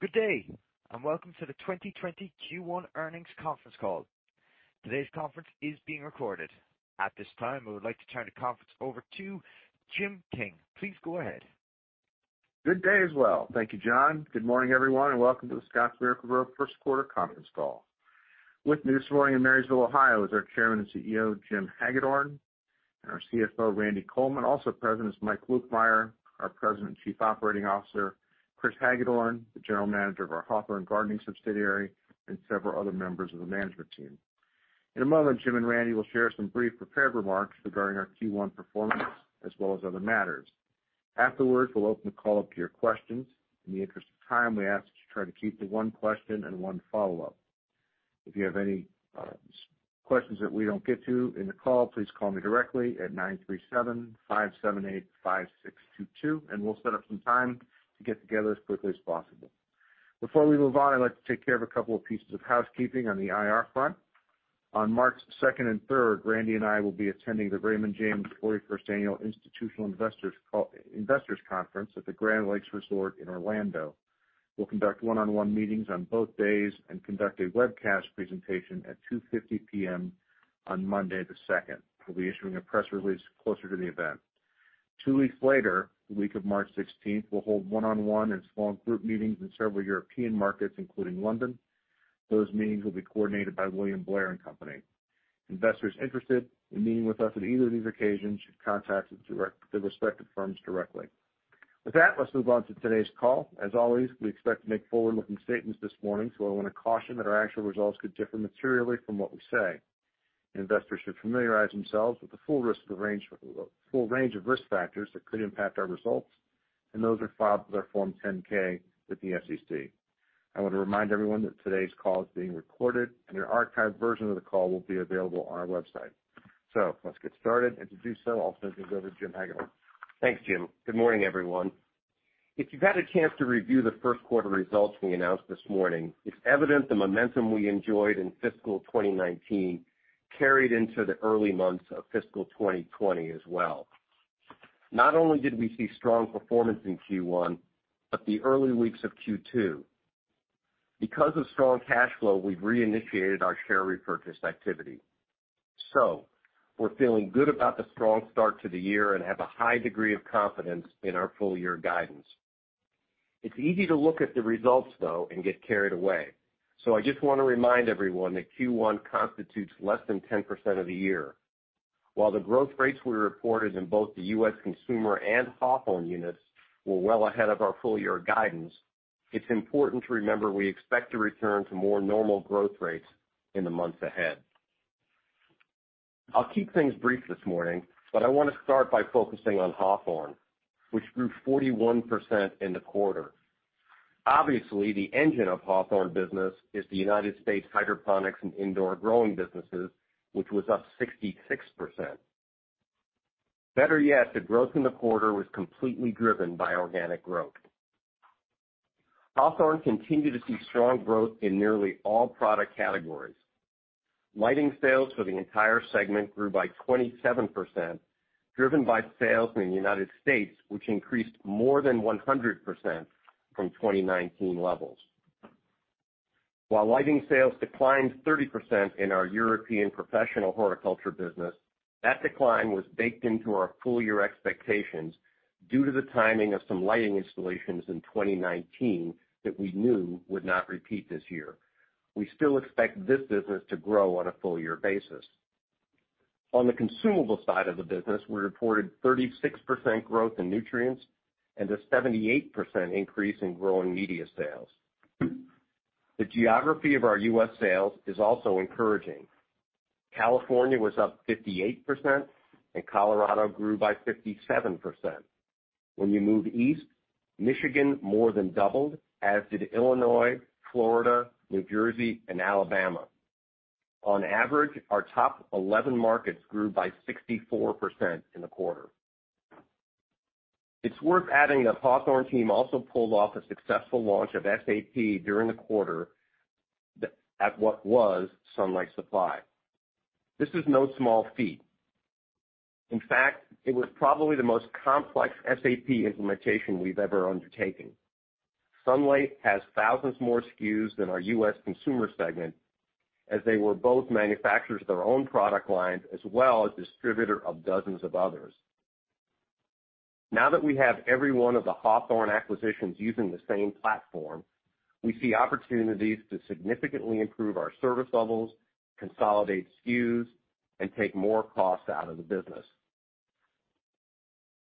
Good day. Welcome to the 2020 Q1 earnings conference call. Today's conference is being recorded. At this time, I would like to turn the conference over to Jim King. Please go ahead. Good day as well. Thank you, Jon. Good morning, everyone, and welcome to the Scotts Miracle-Gro first quarter conference call. With me this morning in Marysville, Ohio is our Chairman and CEO, Jim Hagedorn, and our CFO, Randy Coleman. Also present is Mike Lukemire, our President and Chief Operating Officer, Chris Hagedorn, the General Manager of our Hawthorne Gardening subsidiary, and several other members of the management team. In a moment, Jim and Randy will share some brief prepared remarks regarding our Q1 performance as well as other matters. Afterwards, we'll open the call up to your questions. In the interest of time, we ask that you try to keep to one question and one follow-up. If you have any questions that we don't get to in the call, please call me directly at 937-578-5622, and we'll set up some time to get together as quickly as possible. Before we move on, I'd like to take care of a couple of pieces of housekeeping on the IR front. On March 2nd and 3rd, Randy and I will be attending the Raymond James 41st Annual Institutional Investors Conference at the Grande Lakes Resort in Orlando. We'll conduct one-on-one meetings on both days and conduct a webcast presentation at 2:50 P.M. on Monday the 2nd. We'll be issuing a press release closer to the event. Two weeks later, the week of March 16th, we'll hold one-on-one and small group meetings in several European markets, including London. Those meetings will be coordinated by William Blair & Company. Investors interested in meeting with us at either of these occasions should contact the respective firms directly. With that, let's move on to today's call. As always, we expect to make forward-looking statements this morning, so I want to caution that our actual results could differ materially from what we say. Investors should familiarize themselves with the full range of risk factors that could impact our results, and those are filed with our Form 10-K with the SEC. I want to remind everyone that today's call is being recorded and an archived version of the call will be available on our website. Let's get started, and to do so, I'll turn things over to Jim Hagedorn. Thanks, Jim. Good morning, everyone. If you've had a chance to review the first quarter results we announced this morning, it's evident the momentum we enjoyed in fiscal 2019 carried into the early months of fiscal 2020 as well. Not only did we see strong performance in Q1, but the early weeks of Q2. Because of strong cash flow, we've reinitiated our share repurchase activity. We're feeling good about the strong start to the year and have a high degree of confidence in our full-year guidance. It's easy to look at the results, though, and get carried away, so I just want to remind everyone that Q1 constitutes less than 10% of the year. While the growth rates we reported in both the U.S. consumer and Hawthorne units were well ahead of our full year guidance, it's important to remember we expect to return to more normal growth rates in the months ahead. I want to start by focusing on Hawthorne, which grew 41% in the quarter. Obviously, the engine of Hawthorne business is the U.S. hydroponics and indoor growing businesses, which was up 66%. Better yet, the growth in the quarter was completely driven by organic growth. Hawthorne continued to see strong growth in nearly all product categories. Lighting sales for the entire segment grew by 27%, driven by sales in the U.S., which increased more than 100% from 2019 levels. While lighting sales declined 30% in our European professional horticulture business, that decline was baked into our full-year expectations due to the timing of some lighting installations in 2019 that we knew would not repeat this year. We still expect this business to grow on a full year basis. On the consumable side of the business, we reported 36% growth in nutrients and a 78% increase in growing media sales. The geography of our U.S. sales is also encouraging. California was up 58% and Colorado grew by 57%. When we move east, Michigan more than doubled, as did Illinois, Florida, New Jersey, and Alabama. On average, our top 11 markets grew by 64% in the quarter. It's worth adding that Hawthorne team also pulled off a successful launch of SAP during the quarter at what was Sunlight Supply. This is no small feat. In fact, it was probably the most complex SAP implementation we've ever undertaken. Sunlight has thousands more SKUs than our U.S. consumer segment, as they were both manufacturers of their own product lines, as well as distributor of dozens of others. Now that we have every one of the Hawthorne acquisitions using the same platform, we see opportunities to significantly improve our service levels, consolidate SKUs, and take more costs out of the business.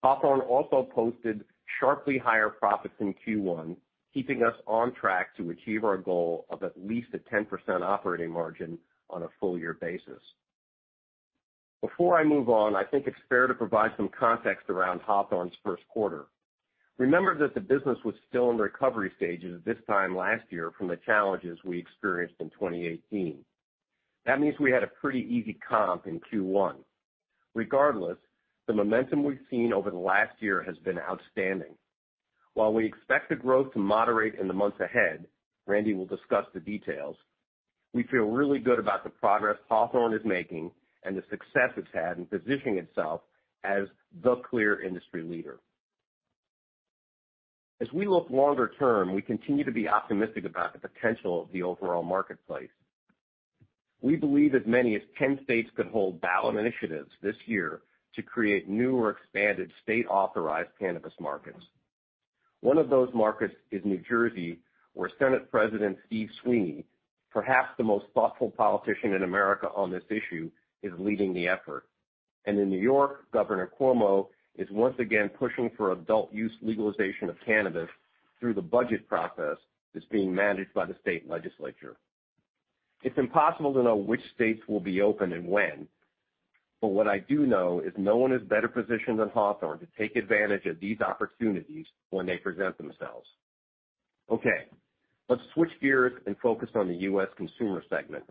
Hawthorne also posted sharply higher profits in Q1, keeping us on track to achieve our goal of at least a 10% operating margin on a full year basis. Before I move on, I think it's fair to provide some context around Hawthorne's first quarter. Remember that the business was still in recovery stages this time last year from the challenges we experienced in 2018. That means we had a pretty easy comp in Q1. Regardless, the momentum we've seen over the last year has been outstanding. While we expect the growth to moderate in the months ahead, Randy will discuss the details. We feel really good about the progress Hawthorne is making and the success it's had in positioning itself as the clear industry leader. As we look longer term, we continue to be optimistic about the potential of the overall marketplace. We believe as many as 10 states could hold ballot initiatives this year to create new or expanded state-authorized cannabis markets. One of those markets is New Jersey, where Senate President Steve Sweeney, perhaps the most thoughtful politician in America on this issue, is leading the effort. In New York, Governor Cuomo is once again pushing for adult use legalization of cannabis through the budget process that's being managed by the state legislature. What I do know is no one is better positioned than Hawthorne to take advantage of these opportunities when they present themselves. Let's switch gears and focus on the U.S. consumer segment.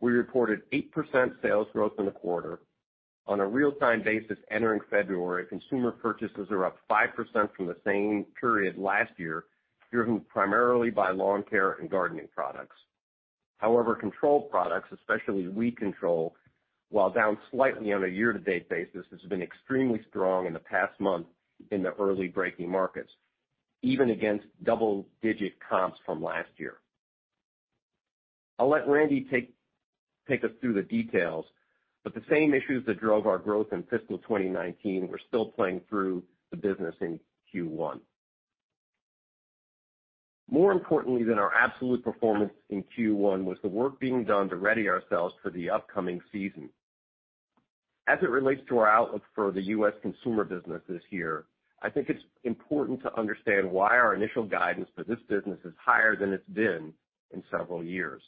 We reported 8% sales growth in the quarter. On a real-time basis entering February, consumer purchases are up 5% from the same period last year, driven primarily by lawn care and gardening products. Controlled products, especially weed control, while down slightly on a year-to-date basis, has been extremely strong in the past month in the early breaking markets, even against double-digit comps from last year. I'll let Randy take us through the details, the same issues that drove our growth in fiscal 2019 were still playing through the business in Q1. More importantly than our absolute performance in Q1 was the work being done to ready ourselves for the upcoming season. As it relates to our outlook for the U.S. consumer business this year, I think it's important to understand why our initial guidance for this business is higher than it's been in several years.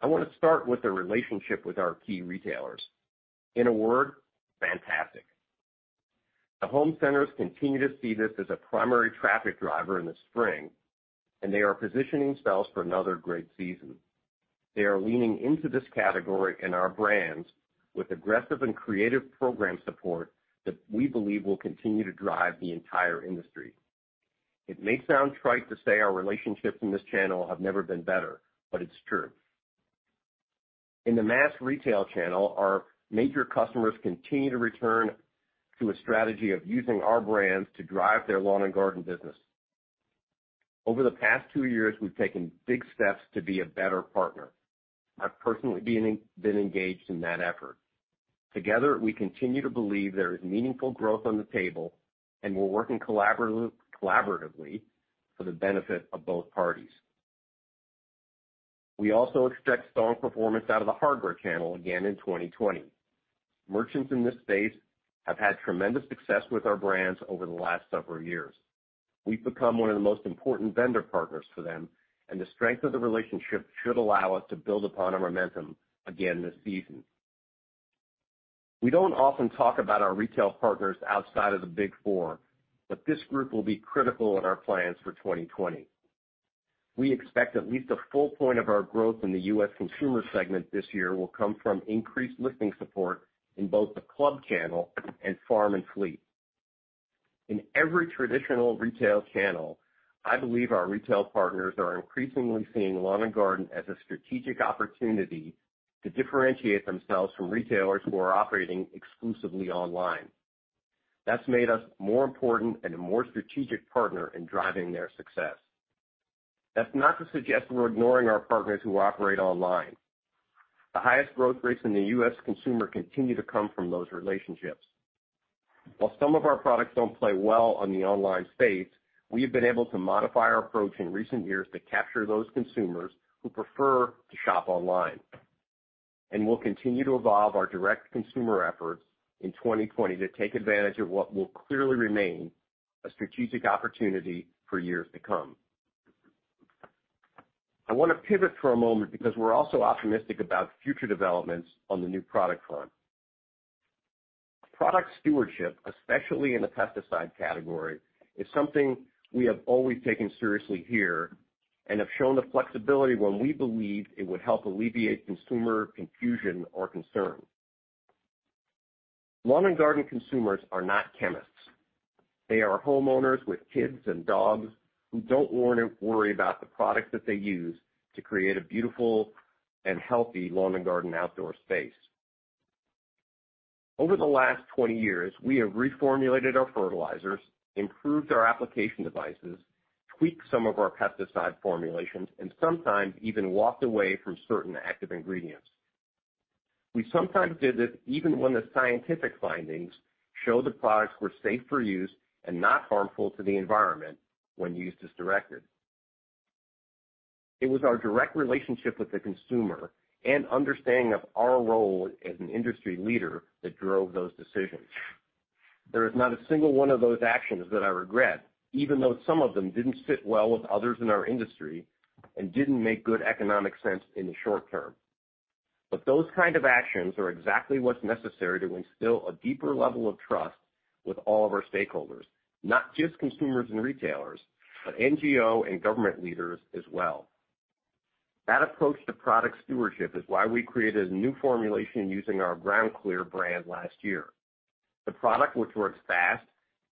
I want to start with the relationship with our key retailers. In a word, fantastic. The home centers continue to see this as a primary traffic driver in the spring, and they are positioning themselves for another great season. They are leaning into this category and our brands with aggressive and creative program support that we believe will continue to drive the entire industry. It may sound trite to say our relationships in this channel have never been better, but it's true. In the mass retail channel, our major customers continue to return to a strategy of using our brands to drive their lawn and garden business. Over the past two years, we've taken big steps to be a better partner. I've personally been engaged in that effort. Together, we continue to believe there is meaningful growth on the table, and we're working collaboratively for the benefit of both parties. We also expect strong performance out of the hardware channel again in 2020. Merchants in this space have had tremendous success with our brands over the last several years. We've become one of the most important vendor partners for them, and the strength of the relationship should allow us to build upon our momentum again this season. We don't often talk about our retail partners outside of the Big Four, but this group will be critical in our plans for 2020. We expect at least a full point of our growth in the U.S. consumer segment this year will come from increased lifting support in both the club channel and farm and fleet. In every traditional retail channel, I believe our retail partners are increasingly seeing lawn and garden as a strategic opportunity to differentiate themselves from retailers who are operating exclusively online. That's made us more important and a more strategic partner in driving their success. That's not to suggest we're ignoring our partners who operate online. The highest growth rates in the U.S. consumer continue to come from those relationships. While some of our products don't play well on the online space, we have been able to modify our approach in recent years to capture those consumers who prefer to shop online. We'll continue to evolve our direct consumer efforts in 2020 to take advantage of what will clearly remain a strategic opportunity for years to come. I want to pivot for a moment because we're also optimistic about future developments on the new product front. Product stewardship, especially in the pesticide category, is something we have always taken seriously here and have shown the flexibility when we believe it would help alleviate consumer confusion or concern. Lawn and garden consumers are not chemists. They are homeowners with kids and dogs who don't want to worry about the products that they use to create a beautiful and healthy lawn and garden outdoor space. Over the last 20 years, we have reformulated our fertilizers, improved our application devices, tweaked some of our pesticide formulations, and sometimes even walked away from certain active ingredients. We sometimes did this even when the scientific findings show the products were safe for use and not harmful to the environment when used as directed. It was our direct relationship with the consumer and understanding of our role as an industry leader that drove those decisions. There is not a single one of those actions that I regret, even though some of them didn't sit well with others in our industry and didn't make good economic sense in the short term. Those kind of actions are exactly what's necessary to instill a deeper level of trust with all of our stakeholders, not just consumers and retailers, but NGO and government leaders as well. That approach to product stewardship is why we created a new formulation using our GroundClear brand last year. The product which works fast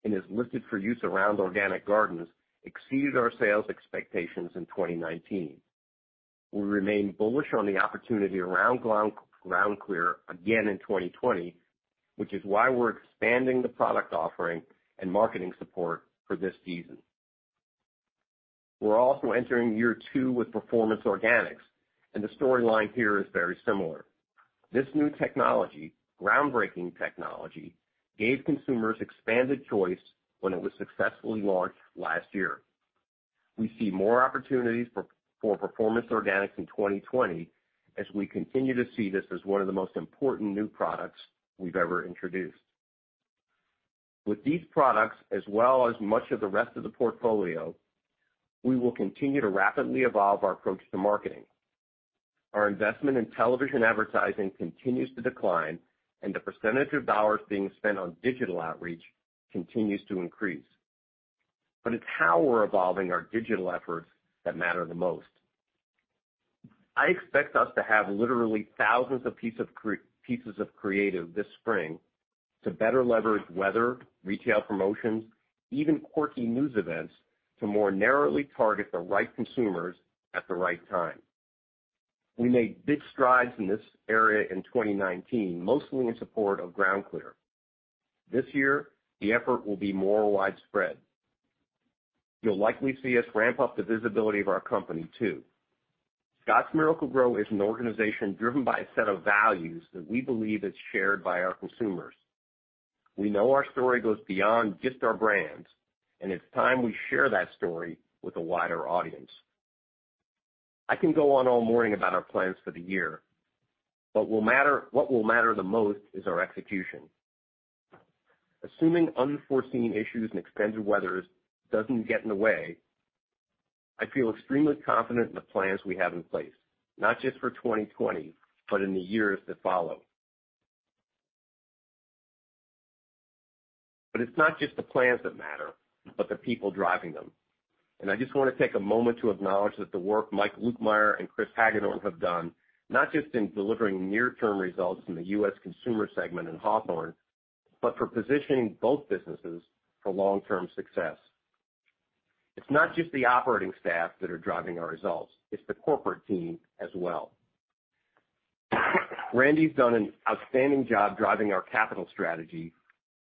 and is listed for use around organic gardens exceeded our sales expectations in 2019. We remain bullish on the opportunity around GroundClear again in 2020, which is why we're expanding the product offering and marketing support for this season. We're also entering year two with Performance Organics. The storyline here is very similar. This new technology, groundbreaking technology, gave consumers expanded choice when it was successfully launched last year. We see more opportunities for Performance Organics in 2020 as we continue to see this as one of the most important new products we've ever introduced. With these products, as well as much of the rest of the portfolio, we will continue to rapidly evolve our approach to marketing. Our investment in television advertising continues to decline, and the percentage of dollars being spent on digital outreach continues to increase. It's how we're evolving our digital efforts that matter the most. I expect us to have literally thousands of pieces of creative this spring to better leverage weather, retail promotions, even quirky news events to more narrowly target the right consumers at the right time. We made big strides in this area in 2019, mostly in support of GroundClear. This year, the effort will be more widespread. You'll likely see us ramp up the visibility of our company, too. Scotts Miracle-Gro is an organization driven by a set of values that we believe is shared by our consumers. We know our story goes beyond just our brands, and it's time we share that story with a wider audience. I can go on all morning about our plans for the year, but what will matter the most is our execution. Assuming unforeseen issues and extended weather doesn't get in the way, I feel extremely confident in the plans we have in place, not just for 2020, but in the years that follow. It's not just the plans that matter, but the people driving them. I just want to take a moment to acknowledge the work Mike Lukemire and Chris Hagedorn have done, not just in delivering near-term results in the U.S. consumer segment in Hawthorne, but for positioning both businesses for long-term success. It's not just the operating staff that are driving our results. It's the corporate team as well. Randy's done an outstanding job driving our capital strategy,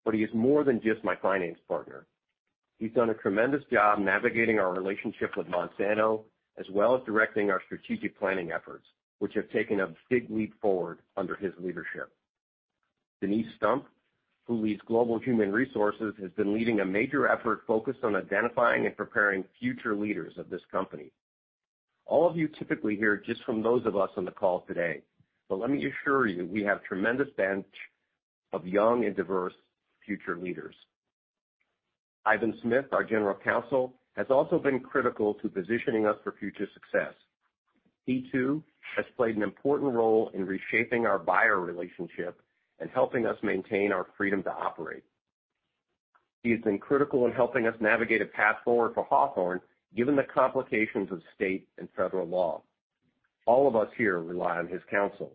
but he is more than just my finance partner. He's done a tremendous job navigating our relationship with Monsanto, as well as directing our strategic planning efforts, which have taken a big leap forward under his leadership. Denise Stump, who leads Global Human Resources, has been leading a major effort focused on identifying and preparing future leaders of this company. All of you typically hear just from those of us on the call today, but let me assure you, we have tremendous bench of young and diverse future leaders. Ivan Smith, our General Counsel, has also been critical to positioning us for future success. He, too, has played an important role in reshaping our Bayer relationship and helping us maintain our freedom to operate. He has been critical in helping us navigate a path forward for Hawthorne, given the complications of state and federal law. All of us here rely on his counsel.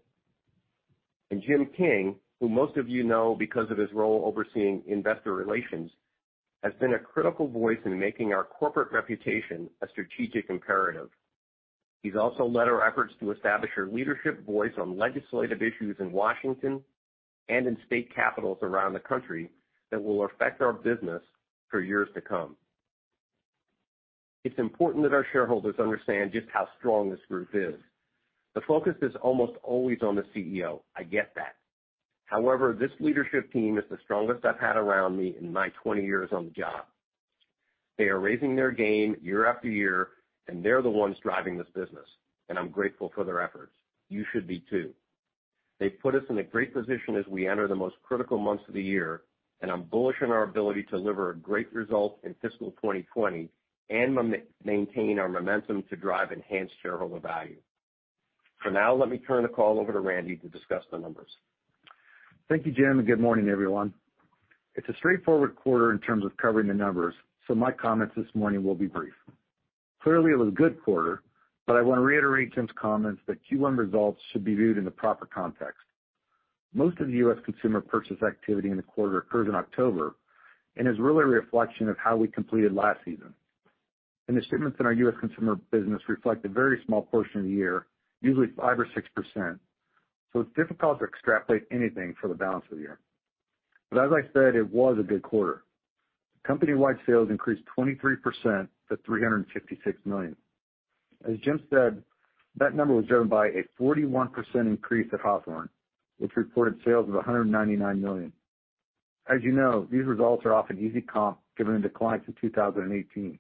Jim King, who most of you know because of his role overseeing investor relations, has been a critical voice in making our corporate reputation a strategic imperative. He's also led our efforts to establish our leadership voice on legislative issues in Washington and in state capitals around the country that will affect our business for years to come. It's important that our shareholders understand just how strong this group is. The focus is almost always on the CEO. I get that. However, this leadership team is the strongest I've had around me in my 20 years on the job. They are raising their game year after year, and they're the ones driving this business, and I'm grateful for their efforts. You should be, too. They've put us in a great position as we enter the most critical months of the year, and I'm bullish on our ability to deliver a great result in fiscal 2020 and maintain our momentum to drive enhanced shareholder value. For now, let me turn the call over to Randy to discuss the numbers. Thank you, Jim. Good morning, everyone. It's a straightforward quarter in terms of covering the numbers. My comments this morning will be brief. Clearly, it was a good quarter. I want to reiterate Jim's comments that Q1 results should be viewed in the proper context. Most of the U.S. consumer purchase activity in the quarter occurred in October and is really a reflection of how we completed last season. The statements in our U.S. consumer business reflect a very small portion of the year, usually 5% or 6%. It's difficult to extrapolate anything for the balance of the year. As I said, it was a good quarter. Company-wide sales increased 23% to $356 million. As Jim said, that number was driven by a 41% increase at Hawthorne, which reported sales of $199 million. As you know, these results are off an easy comp given the declines in 2018.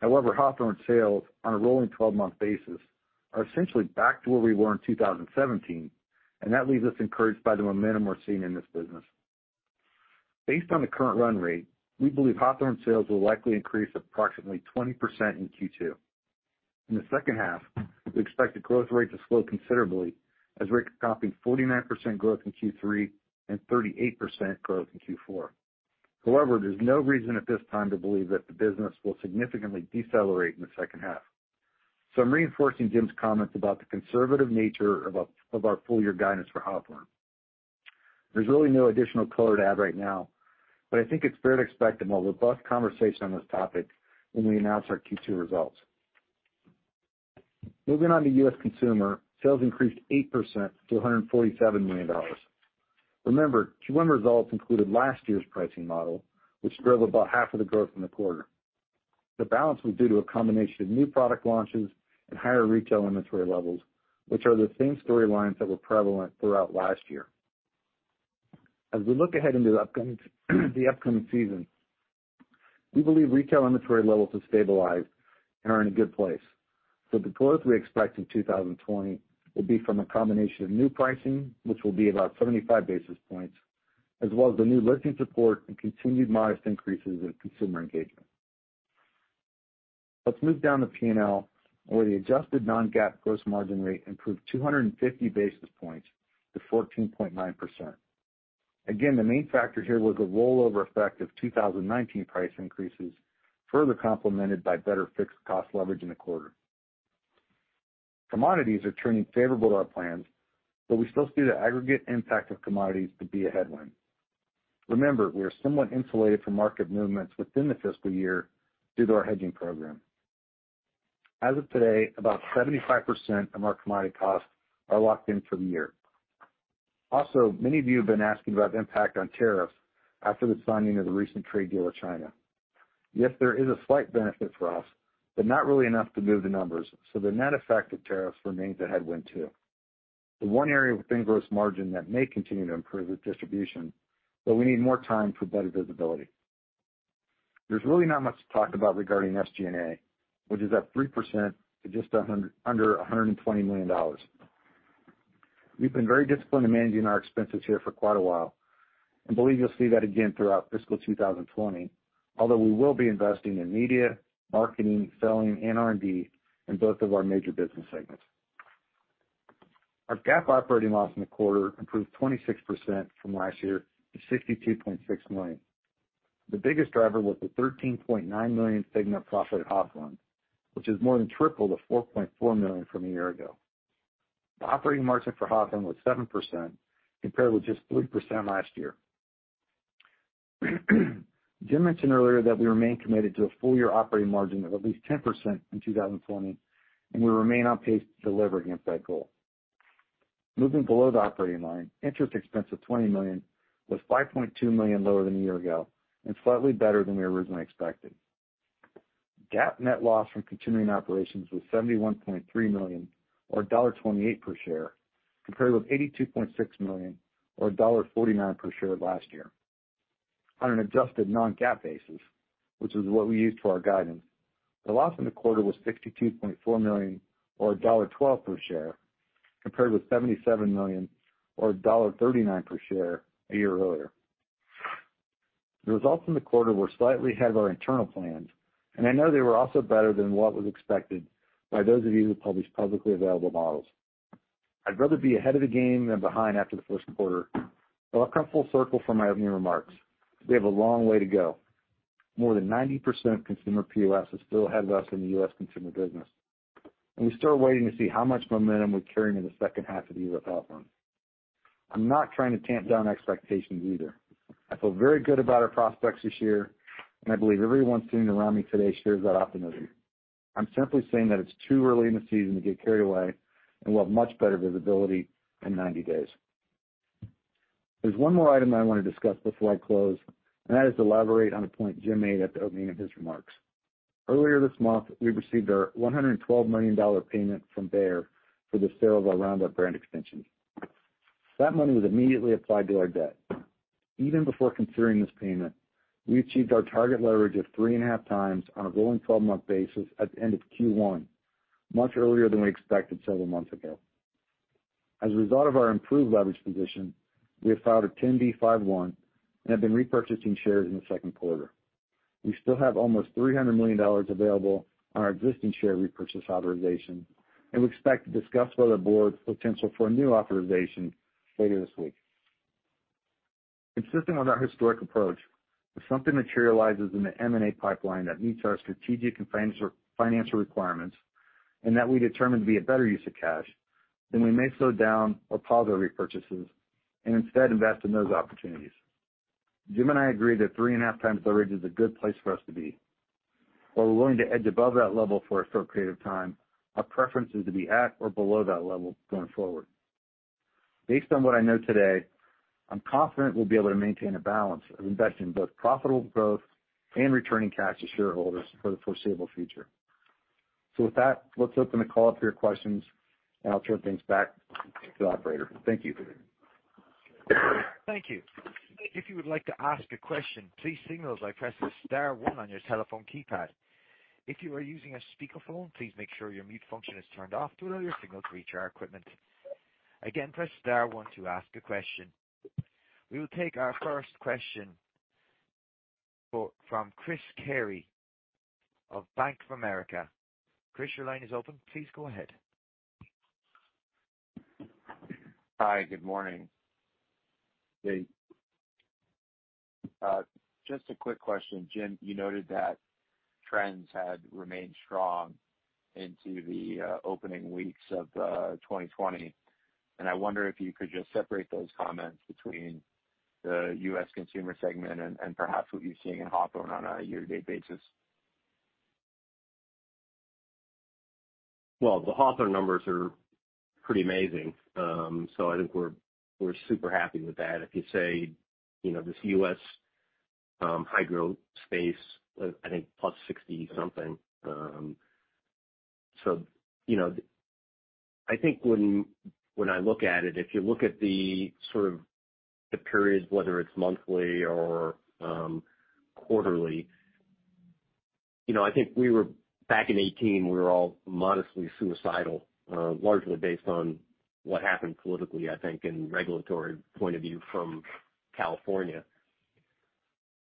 However, Hawthorne sales on a rolling 12-month basis are essentially back to where we were in 2017, and that leaves us encouraged by the momentum we're seeing in this business. Based on the current run rate, we believe Hawthorne sales will likely increase approximately 20% in Q2. In the second half, we expect the growth rate to slow considerably as we're copying 49% growth in Q3 and 38% growth in Q4. However, there's no reason at this time to believe that the business will significantly decelerate in the second half. I'm reinforcing Jim's comments about the conservative nature of our full-year guidance for Hawthorne. There's really no additional color to add right now, but I think it's fair to expect a more robust conversation on this topic when we announce our Q2 results. Moving on to U.S. Consumer, sales increased 8% to $147 million. Remember, Q1 results included last year's pricing model, which drove about half of the growth in the quarter. The balance was due to a combination of new product launches and higher retail inventory levels, which are the same storylines that were prevalent throughout last year. As we look ahead into the upcoming season, we believe retail inventory levels have stabilized and are in a good place. The growth we expect in 2020 will be from a combination of new pricing, which will be about 75 basis points, as well as the new listing support and continued modest increases in consumer engagement. Let's move down to P&L, where the adjusted non-GAAP gross margin rate improved 250 basis points to 14.9%. Again, the main factor here was the rollover effect of 2019 price increases, further complemented by better fixed cost leverage in the quarter. Commodities are turning favorable to our plans, but we still see the aggregate impact of commodities to be a headwind. Remember, we are somewhat insulated from market movements within the fiscal year due to our hedging program. As of today, about 75% of our commodity costs are locked in for the year. Many of you have been asking about the impact on tariffs after the signing of the recent trade deal with China. Yes, there is a slight benefit for us, but not really enough to move the numbers, so the net effect of tariffs remains a headwind too. The one area within gross margin that may continue to improve is distribution, but we need more time for better visibility. There's really not much to talk about regarding SG&A, which is up 3% to just under $120 million. We've been very disciplined in managing our expenses here for quite a while and believe you'll see that again throughout fiscal 2020, although we will be investing in media, marketing, selling, and R&D in both of our major business segments. Our GAAP operating loss in the quarter improved 26% from last year to $62.6 million. The biggest driver was the $13.9 million segment profit at Hawthorne, which is more than triple the $4.4 million from a year ago. The operating margin for Hawthorne was 7%, compared with just 3% last year. Jim mentioned earlier that we remain committed to a full-year operating margin of at least 10% in 2020, and we remain on pace to deliver against that goal. Moving below the operating line, interest expense of $20 million was $5.2 million lower than a year ago and slightly better than we originally expected. GAAP net loss from continuing operations was $71.3 million or $1.28 per share, compared with $82.6 million or $1.49 per share last year. On an adjusted non-GAAP basis, which is what we use for our guidance, the loss in the quarter was $62.4 million or $1.12 per share, compared with $77 million or $1.39 per share a year earlier. The results in the quarter were slightly ahead of our internal plans, and I know they were also better than what was expected by those of you who publish publicly available models. I'd rather be ahead of the game than behind after the first quarter, but I'll come full circle from my opening remarks. We have a long way to go. More than 90% of consumer POS is still ahead of us in the U.S. consumer business, and we're still waiting to see how much momentum we carry into the second half of the year at Hawthorne. I'm not trying to tamp down expectations either. I feel very good about our prospects this year, and I believe everyone sitting around me today shares that optimism. I'm simply saying that it's too early in the season to get carried away and we'll have much better visibility in 90 days. There's one more item that I want to discuss before I close, and that is to elaborate on a point Jim made at the opening of his remarks. Earlier this month, we received our $112 million payment from Bayer for the sale of our Roundup brand extension. That money was immediately applied to our debt. Even before considering this payment, we achieved our target leverage of 3.5x on a rolling 12-month basis at the end of Q1, much earlier than we expected several months ago. As a result of our improved leverage position, we have filed a 10b5-1 and have been repurchasing shares in the second quarter. We still have almost $300 million available on our existing share repurchase authorization, and we expect to discuss with our board the potential for a new authorization later this week. Consistent with our historic approach, if something materializes in the M&A pipeline that meets our strategic and financial requirements and that we determine to be a better use of cash, then we may slow down or pause our repurchases and instead invest in those opportunities. Jim and I agree that 3.5x Leverage is a good place for us to be. While we're willing to edge above that level for a short period of time, our preference is to be at or below that level going forward. Based on what I know today, I'm confident we'll be able to maintain a balance of investing in both profitable growth and returning cash to shareholders for the foreseeable future. With that, let's open the call up to your questions, and I'll turn things back to the operator. Thank you. Thank you. If you would like to ask a question, please signal by pressing star one on your telephone keypad. If you are using a speakerphone, please make sure your mute function is turned off to allow your signal to reach our equipment. Again, press star one to ask a question. We will take our first question from Chris Carey of Bank of America. Chris, your line is open. Please go ahead. Hi, good morning. Just a quick question. Jim, you noted that trends had remained strong into the opening weeks of 2020. I wonder if you could just separate those comments between the U.S. consumer segment and perhaps what you're seeing in Hawthorne on a year-to-date basis. The Hawthorne numbers are pretty amazing. I think we're super happy with that. If you say, this U.S. high growth space, I think +60 something. I think when I look at it, if you look at the sort of the periods, whether it's monthly or quarterly, I think back in 2018, we were all modestly suicidal, largely based on what happened politically, I think, and regulatory point of view from California.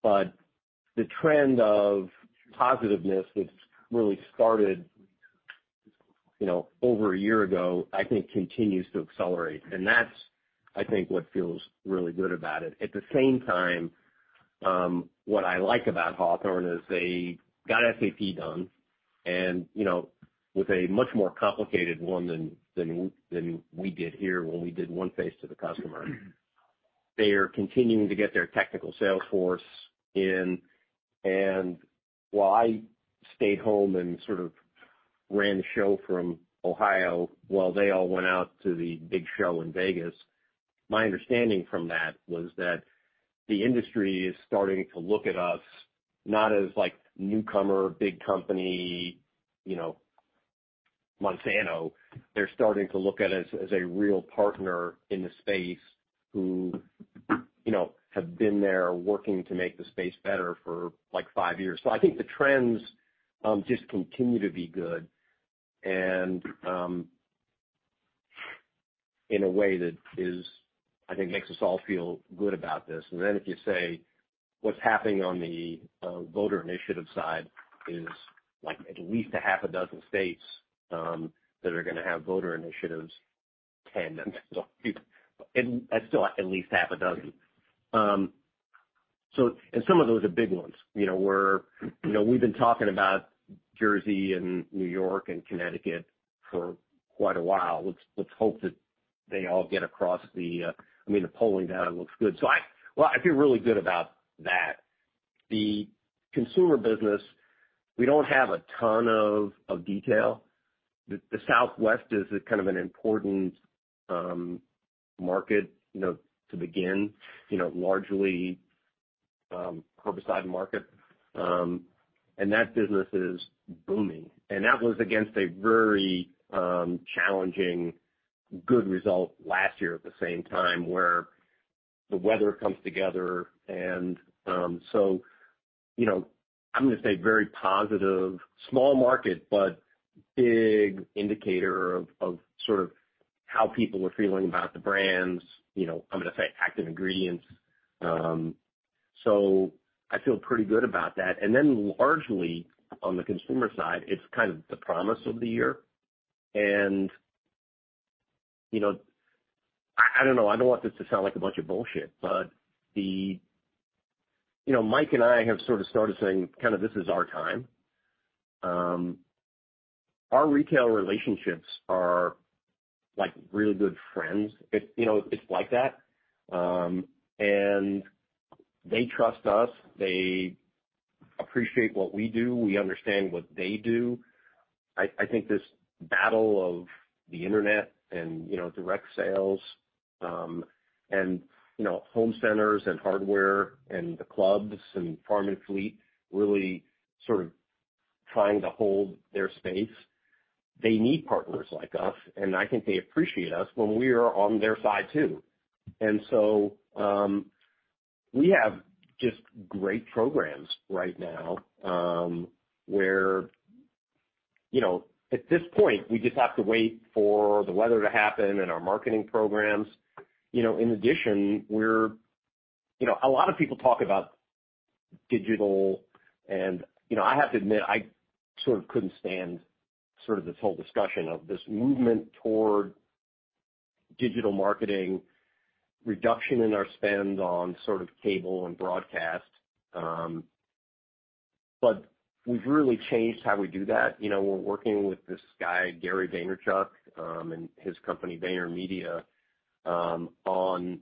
The trend of positiveness that's really started over a year ago, I think continues to accelerate. That's, I think, what feels really good about it. At the same time, what I like about Hawthorne is they got SAP done and, with a much more complicated one than we did here when we did one phase to the customer. They are continuing to get their technical sales force in, and while I stayed home and sort of ran the show from Ohio while they all went out to the big show in Vegas, my understanding from that was that the industry is starting to look at us not as like newcomer, big company, Monsanto. They're starting to look at us as a real partner in the space who have been there working to make the space better for like five years. I think the trends just continue to be good and in a way that I think makes us all feel good about this. Then if you say what's happening on the voter initiative side is like at least a half a dozen states that are going to have voter initiatives, 10, and still at least half a dozen. Some of those are big ones. We've been talking about Jersey and New York and Connecticut for quite a while. Let's hope that they all get across the I mean, the polling data looks good. I feel really good about that. The consumer business, we don't have a ton of detail. The Southwest is kind of an important market to begin, largely herbicide market. That business is booming, and that was against a very challenging, good result last year at the same time where the weather comes together. I'm going to say very positive, small market, but big indicator of sort of how people are feeling about the brands, I'm going to say active ingredients. I feel pretty good about that. Largely on the consumer side, it's kind of the promise of the year. I don't know, I don't want this to sound like a bunch of bullshit, but Mike and I have sort of started saying kind of this is our time. Our retail relationships are like really good friends. It's like that. They trust us. They appreciate what we do. We understand what they do. I think this battle of the internet and direct sales, and home centers and hardware and the clubs and farm and fleet really sort of trying to hold their space. They need partners like us, and I think they appreciate us when we are on their side, too. We have just great programs right now, where at this point, we just have to wait for the weather to happen and our marketing programs. In addition, a lot of people talk about digital and I have to admit, I couldn't stand this whole discussion of this movement toward digital marketing, reduction in our spend on cable and broadcast. We've really changed how we do that. We're working with this guy, Gary Vaynerchuk, and his company, VaynerMedia, on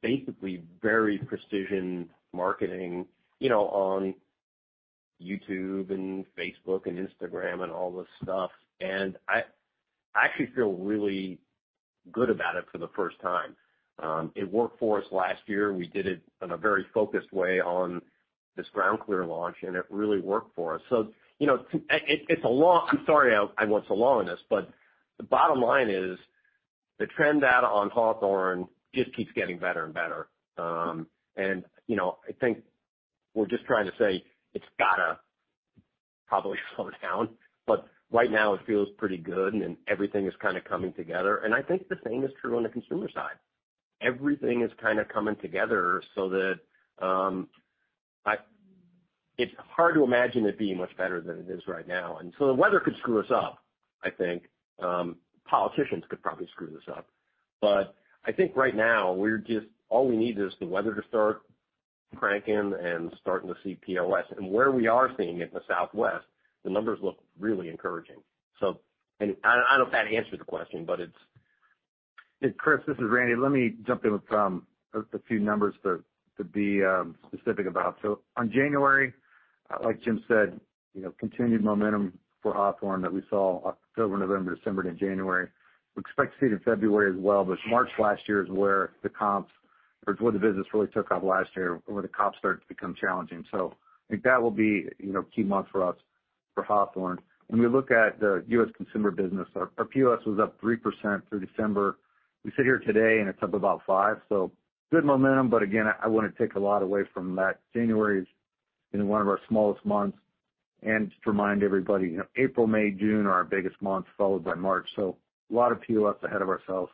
basically very precision marketing on YouTube and Facebook and Instagram and all this stuff. I actually feel really good about it for the first time. It worked for us last year. We did it in a very focused way on this GroundClear launch, and it really worked for us. I'm sorry I went so long on this, but the bottom line is, the trend data on Hawthorne just keeps getting better and better. I think we're just trying to say it's got to probably slow down, but right now it feels pretty good and everything is kind of coming together. I think the same is true on the consumer side. Everything is kind of coming together so that it's hard to imagine it being much better than it is right now. The weather could screw us up, I think. Politicians could probably screw this up. I think right now, all we need is the weather to start cranking and starting to see POS. Where we are seeing it in the Southwest, the numbers look really encouraging. I don't know if that answered the question. Chris, this is Randy. Let me jump in with a few numbers to be specific about. On January, like Jim said, continued momentum for Hawthorne that we saw October, November, December into January. We expect to see it in February as well. March last year is where the comps or where the business really took off last year, where the comps started to become challenging. I think that will be a key month for us for Hawthorne. When we look at the U.S. consumer business, our POS was up 3% through December. We sit here today, and it's up about 5%, so good momentum. Again, I wouldn't take a lot away from that. January is one of our smallest months, and just to remind everybody, April, May, June are our biggest months, followed by March. A lot of POS ahead of ourselves.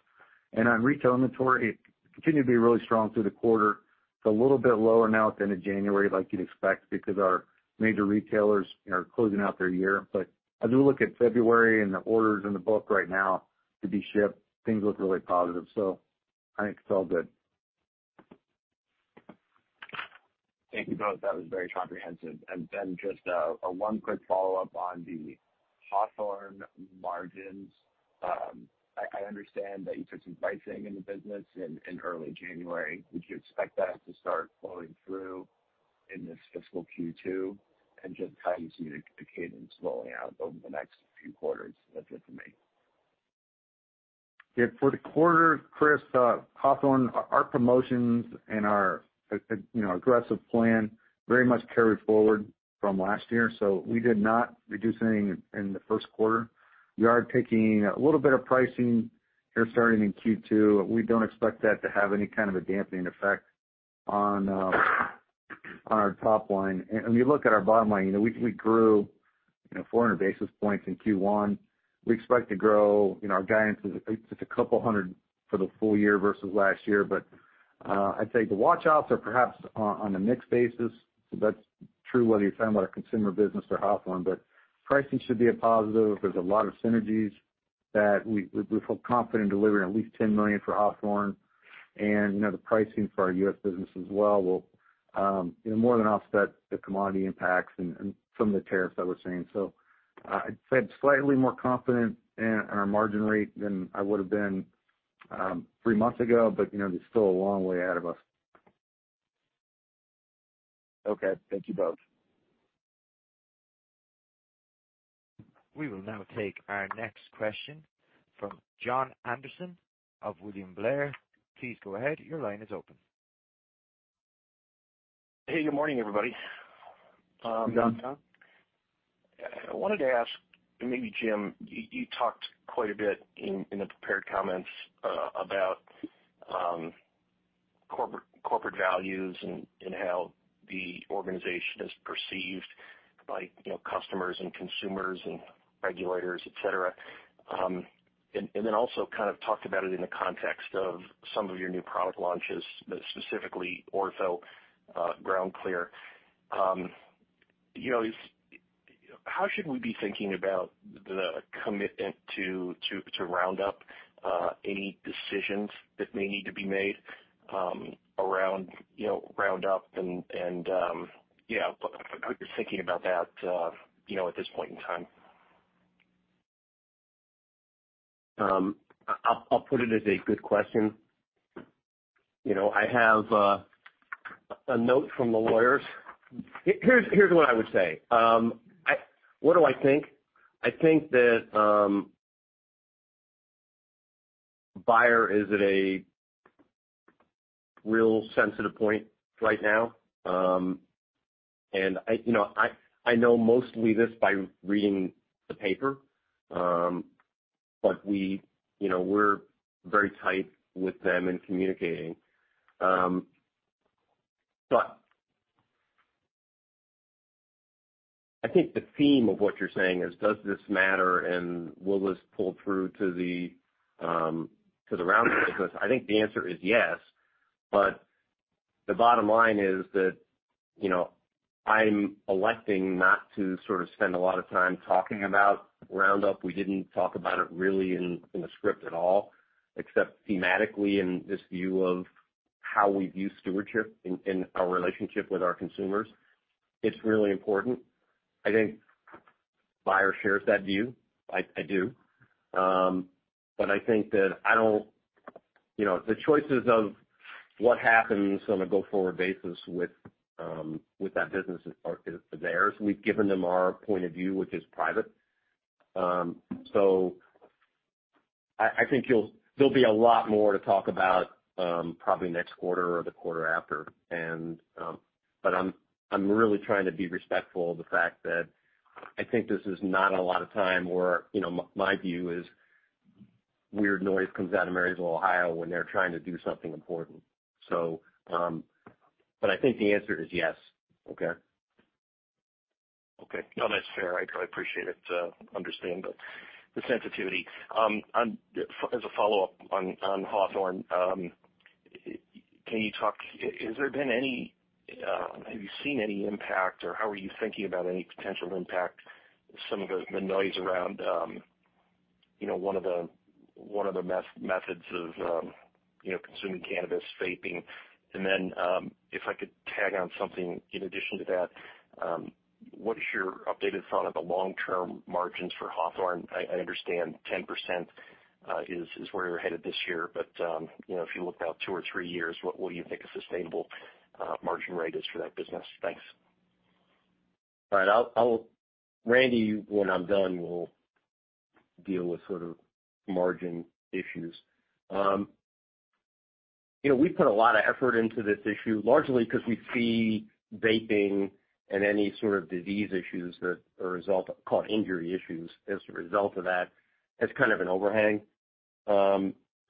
On retail inventory, it continued to be really strong through the quarter. It's a little bit lower now at the end of January like you'd expect, because our major retailers are closing out their year. As we look at February and the orders in the book right now to be shipped, things look really positive. I think it's all good. Thank you both. That was very comprehensive. Then just a one quick follow-up on the Hawthorne margins. I understand that you took some pricing in the business in early January. Would you expect that to start flowing through in this fiscal Q2? Just how you see the cadence rolling out over the next few quarters? That's it for me. Yeah. For the quarter, Chris, Hawthorne, our promotions and our aggressive plan very much carried forward from last year. We did not reduce anything in the first quarter. We are taking a little bit of pricing here starting in Q2. We don't expect that to have any kind of a dampening effect on our top line. When you look at our bottom line, we grew 400 basis points in Q1. We expect to grow, our guidance is just a couple of hundred for the full year versus last year. I'd say the watch outs are perhaps on a mix basis. That's true whether you're talking about our consumer business or Hawthorne, but pricing should be a positive. There's a lot of synergies that we feel confident delivering at least $10 million for Hawthorne and the pricing for our U.S. business as well will more than offset the commodity impacts and some of the tariffs I was saying. I'd say I'm slightly more confident in our margin rate than I would've been three months ago, but there's still a long way ahead of us. Okay. Thank you both. We will now take our next question from Jon Andersen of William Blair. Please go ahead. Your line is open. Hey, good morning, everybody. Good morning, Jon. I wanted to ask, maybe Jim, you talked quite a bit in the prepared comments about corporate values and how the organization is perceived by customers and consumers and regulators, et cetera. Also kind of talked about it in the context of some of your new product launches, specifically Ortho GroundClear. How should we be thinking about the commitment to Roundup, any decisions that may need to be made around Roundup and, yeah, just thinking about that at this point in time. I'll put it as a good question. I have a note from the lawyers. Here's what I would say. What do I think? I think that Bayer is at a real sensitive point right now. I know mostly this by reading the paper. We're very tight with them in communicating. I think the theme of what you're saying is, does this matter, and will this pull through to the Roundup? I think the answer is yes. The bottom line is that, I'm electing not to sort of spend a lot of time talking about Roundup. We didn't talk about it really in the script at all, except thematically in this view of how we view stewardship in our relationship with our consumers. It's really important. I think Bayer shares that view. I do. I think that the choices of what happens on a go-forward basis with that business is theirs. We've given them our point of view, which is private. I think there'll be a lot more to talk about probably next quarter or the quarter after. I'm really trying to be respectful of the fact that I think this is not a lot of time where my view is weird noise comes out of Marysville, Ohio, when they're trying to do something important. I think the answer is yes. Okay? Okay. No, that's fair. I appreciate it, understand the sensitivity. As a follow-up on Hawthorne, has there been any, have you seen any impact or how are you thinking about any potential impact, some of the noise around one of the methods of consuming cannabis, vaping? If I could tag on something in addition to that, what is your updated thought of the long-term margins for Hawthorne? I understand 10% is where you're headed this year, but, if you looked out two or three years, what do you think a sustainable margin rate is for that business? Thanks. All right. Randy, when I'm done, we'll deal with sort of margin issues. We put a lot of effort into this issue, largely because we see vaping and any sort of disease issues that are a result, or call it injury issues as a result of that, as kind of an overhang.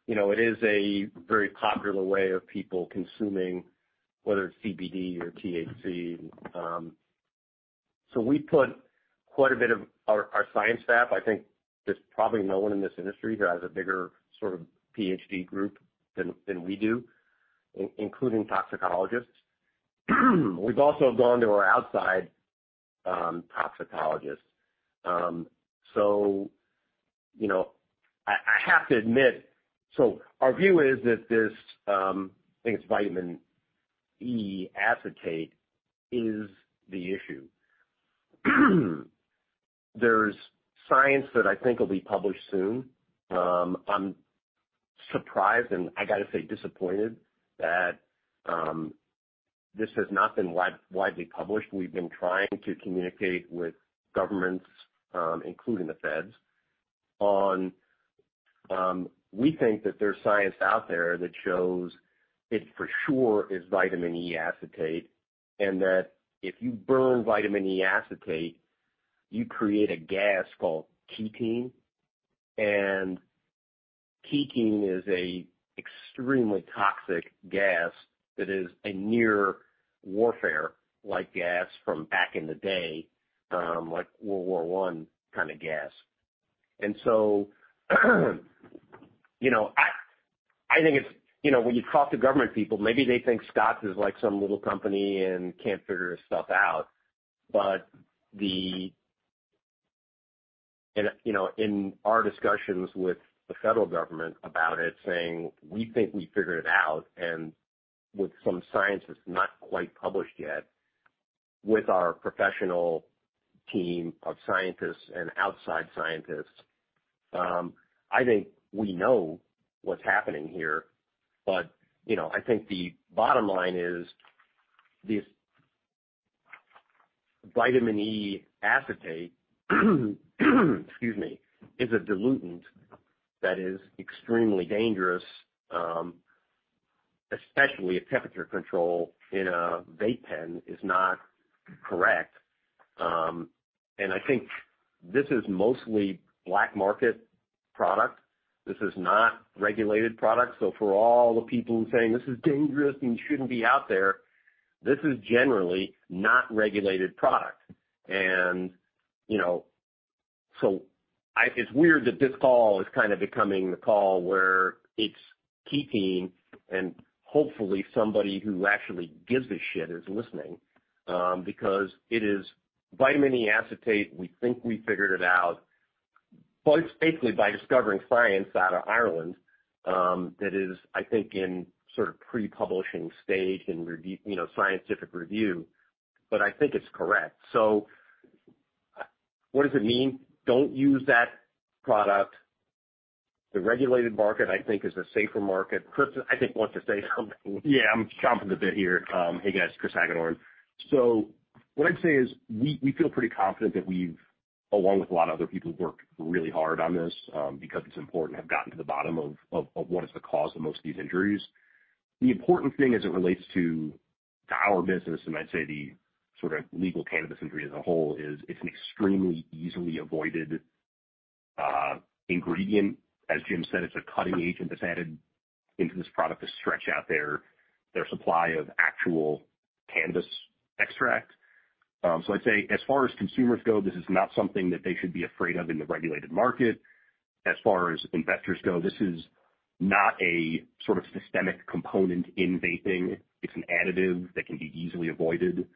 It is a very popular way of people consuming, whether it's CBD or THC. We put quite a bit of our science staff, I think there's probably no one in this industry who has a bigger sort of PhD group than we do, including toxicologists. We've also gone to our outside toxicologists. I have to admit, our view is that this, I think it's vitamin E acetate, is the issue. There's science that I think will be published soon. I'm surprised and I got to say disappointed that this has not been widely published. We've been trying to communicate with governments, including the feds, on we think that there's science out there that shows it for sure is vitamin E acetate, and that if you burn vitamin E acetate, you create a gas called ketene, and ketene is a extremely toxic gas that is a near warfare like gas from back in the day, like World War I kind of gas. I think when you talk to government people, maybe they think Scotts is like some little company and can't figure this stuff out. In our discussions with the federal government about it, saying, we think we figured it out and with some science that's not quite published yet, with our professional team of scientists and outside scientists, I think we know what's happening here. I think the bottom line is this vitamin E acetate, excuse me, is a dilutant that is extremely dangerous, especially if temperature control in a vape pen is not correct. I think this is mostly black market product. This is not regulated product. For all the people saying, "This is dangerous and shouldn't be out there," this is generally not regulated product. It's weird that this call is kind of becoming the call where it's ketene and hopefully somebody who actually gives a shit is listening, because it is vitamin E acetate, we think we figured it out, basically by discovering science out of Ireland, that is, I think in sort of pre-publishing stage, in scientific review, but I think it's correct. What does it mean? Don't use that product. The regulated market, I think is the safer market. Chris, I think, wants to say something. Yeah, I'm chomping at the bit here. Hey, guys, Chris Hagedorn. What I'd say is, we feel pretty confident that we've, along with a lot of other people, worked really hard on this, because it's important, have gotten to the bottom of what is the cause of most of these injuries. The important thing as it relates to our business, and I'd say the sort of legal cannabis industry as a whole is it's an extremely easily avoided ingredient. As Jim said, it's a cutting agent that's added into this product to stretch out their supply of actual cannabis extract. I'd say, as far as consumers go, this is not something that they should be afraid of in the regulated market. As far as investors go, this is not a sort of systemic component in vaping. It's an additive that can be easily avoided.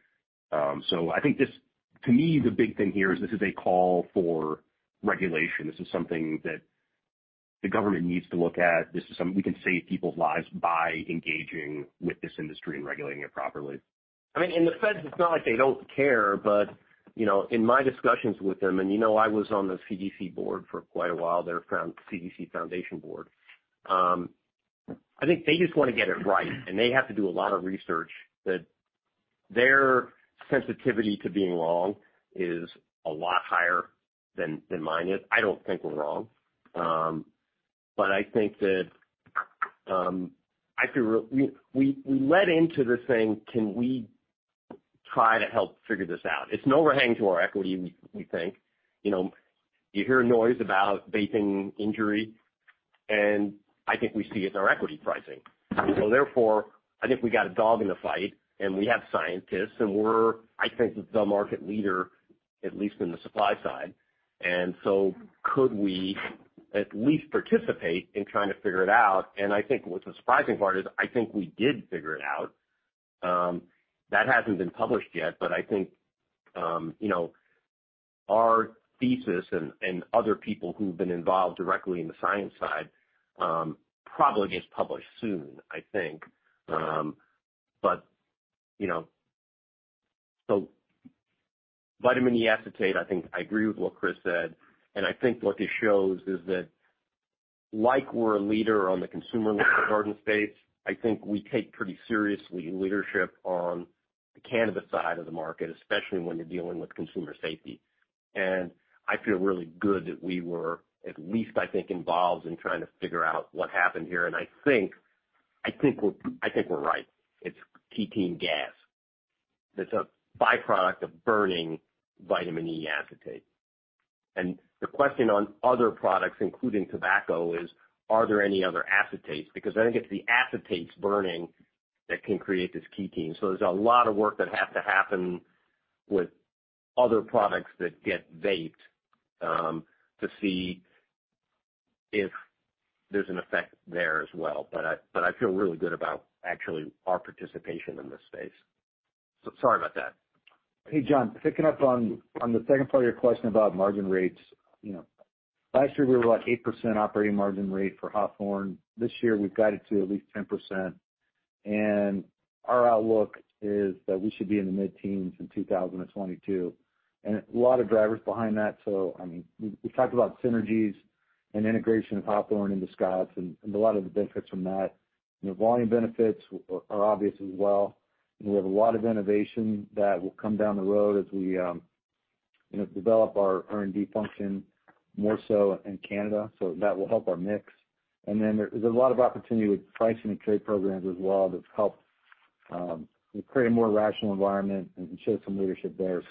I think to me, the big thing here is this is a call for regulation. This is something that the government needs to look at. We can save people's lives by engaging with this industry and regulating it properly. The feds, it's not like they don't care, but, in my discussions with them, and you know I was on the CDC board for quite a while there, CDC Foundation board. I think they just want to get it right, and they have to do a lot of research that their sensitivity to being wrong is a lot higher than mine is. I don't think we're wrong. I think that we led into this thing, can we try to help figure this out? It's an overhang to our equity, we think. You hear noise about vaping injury. I think we see it in our equity pricing. Therefore, I think we got a dog in the fight, and we have scientists, and we're, I think, the market leader, at least in the supply side. Could we at least participate in trying to figure it out? I think what the surprising part is, I think we did figure it out. That hasn't been published yet, but I think our thesis and other people who've been involved directly in the science side, probably gets published soon, I think. Vitamin E acetate, I think I agree with what Chris said, and I think what this shows is that like we're a leader on the consumer garden space, I think we take pretty seriously leadership on the cannabis side of the market, especially when you're dealing with consumer safety. I feel really good that we were at least, I think, involved in trying to figure out what happened here, and I think we're right. It's ketene gas that's a byproduct of burning vitamin E acetate. The question on other products, including tobacco, is are there any other acetates? I think it's the acetates burning that can create this ketene. There's a lot of work that has to happen with other products that get vaped, to see if there's an effect there as well. I feel really good about actually our participation in this space. Sorry about that. Hey, Jon, picking up on the second part of your question about margin rates. Last year, we were about 8% operating margin rate for Hawthorne. This year, we've guided to at least 10%, and our outlook is that we should be in the mid-teens in 2022. A lot of drivers behind that. We talked about synergies and integration of Hawthorne into Scotts and a lot of the benefits from that. Volume benefits are obvious as well, and we have a lot of innovation that will come down the road as we develop our R&D function more so in Canada. That will help our mix. There's a lot of opportunity with pricing and trade programs as well that's helped create a more rational environment and show some leadership there.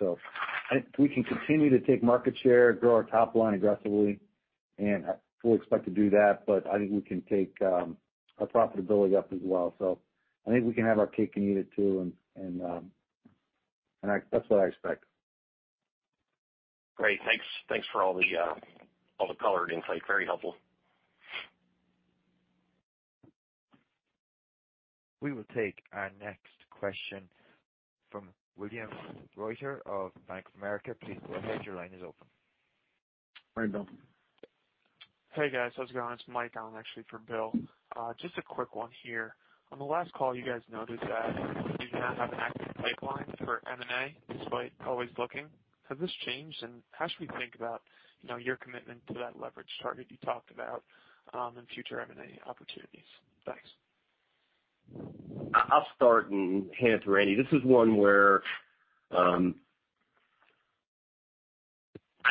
I think we can continue to take market share, grow our top line aggressively, and we'll expect to do that, but I think we can take our profitability up as well. I think we can have our cake and eat it too, and that's what I expect. Great. Thanks for all the colored insight. Very helpful. We will take our next question from William Reuter of Bank of America. Please go ahead. Your line is open. All right, Bill. Hey, guys. How's it going? It's Mike. I'm actually for Bill. Just a quick one here. On the last call, you guys noted that you do not have an active pipeline for M&A despite always looking. Has this changed, and how should we think about your commitment to that leverage target you talked about, and future M&A opportunities? Thanks. I'll start and hand it to Randy. This is one where, I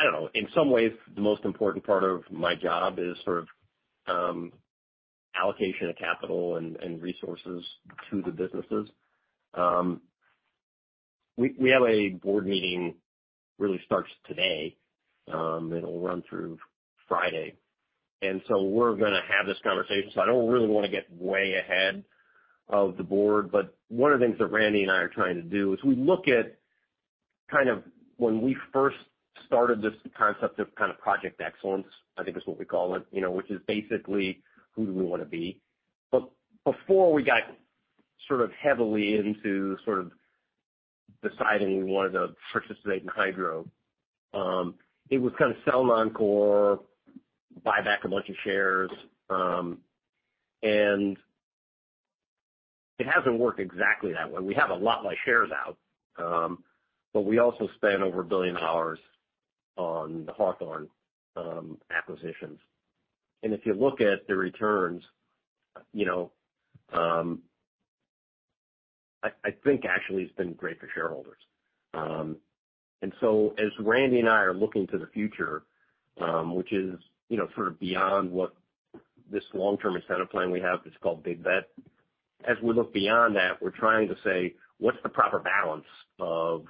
don't know. In some ways, the most important part of my job is sort of allocation of capital and resources to the businesses. We have a board meeting really starts today. It'll run through Friday. We're gonna have this conversation, so I don't really want to get way ahead of the board. One of the things that Randy and I are trying to do is we look at kind of when we first started this concept of Project Excellence, I think is what we call it, which is basically who do we want to be. Before we got sort of heavily into sort of deciding we wanted to participate in hydro, it was kind of sell non-core, buy back a bunch of shares. It hasn't worked exactly that way. We have a lot less shares out, but we also spent over $1 billion on the Hawthorne acquisitions. If you look at the returns, I think actually it's been great for shareholders. As Randy and I are looking to the future, which is sort of beyond what this long-term incentive plan we have that's called Big Bet. As we look beyond that, we're trying to say, what's the proper balance of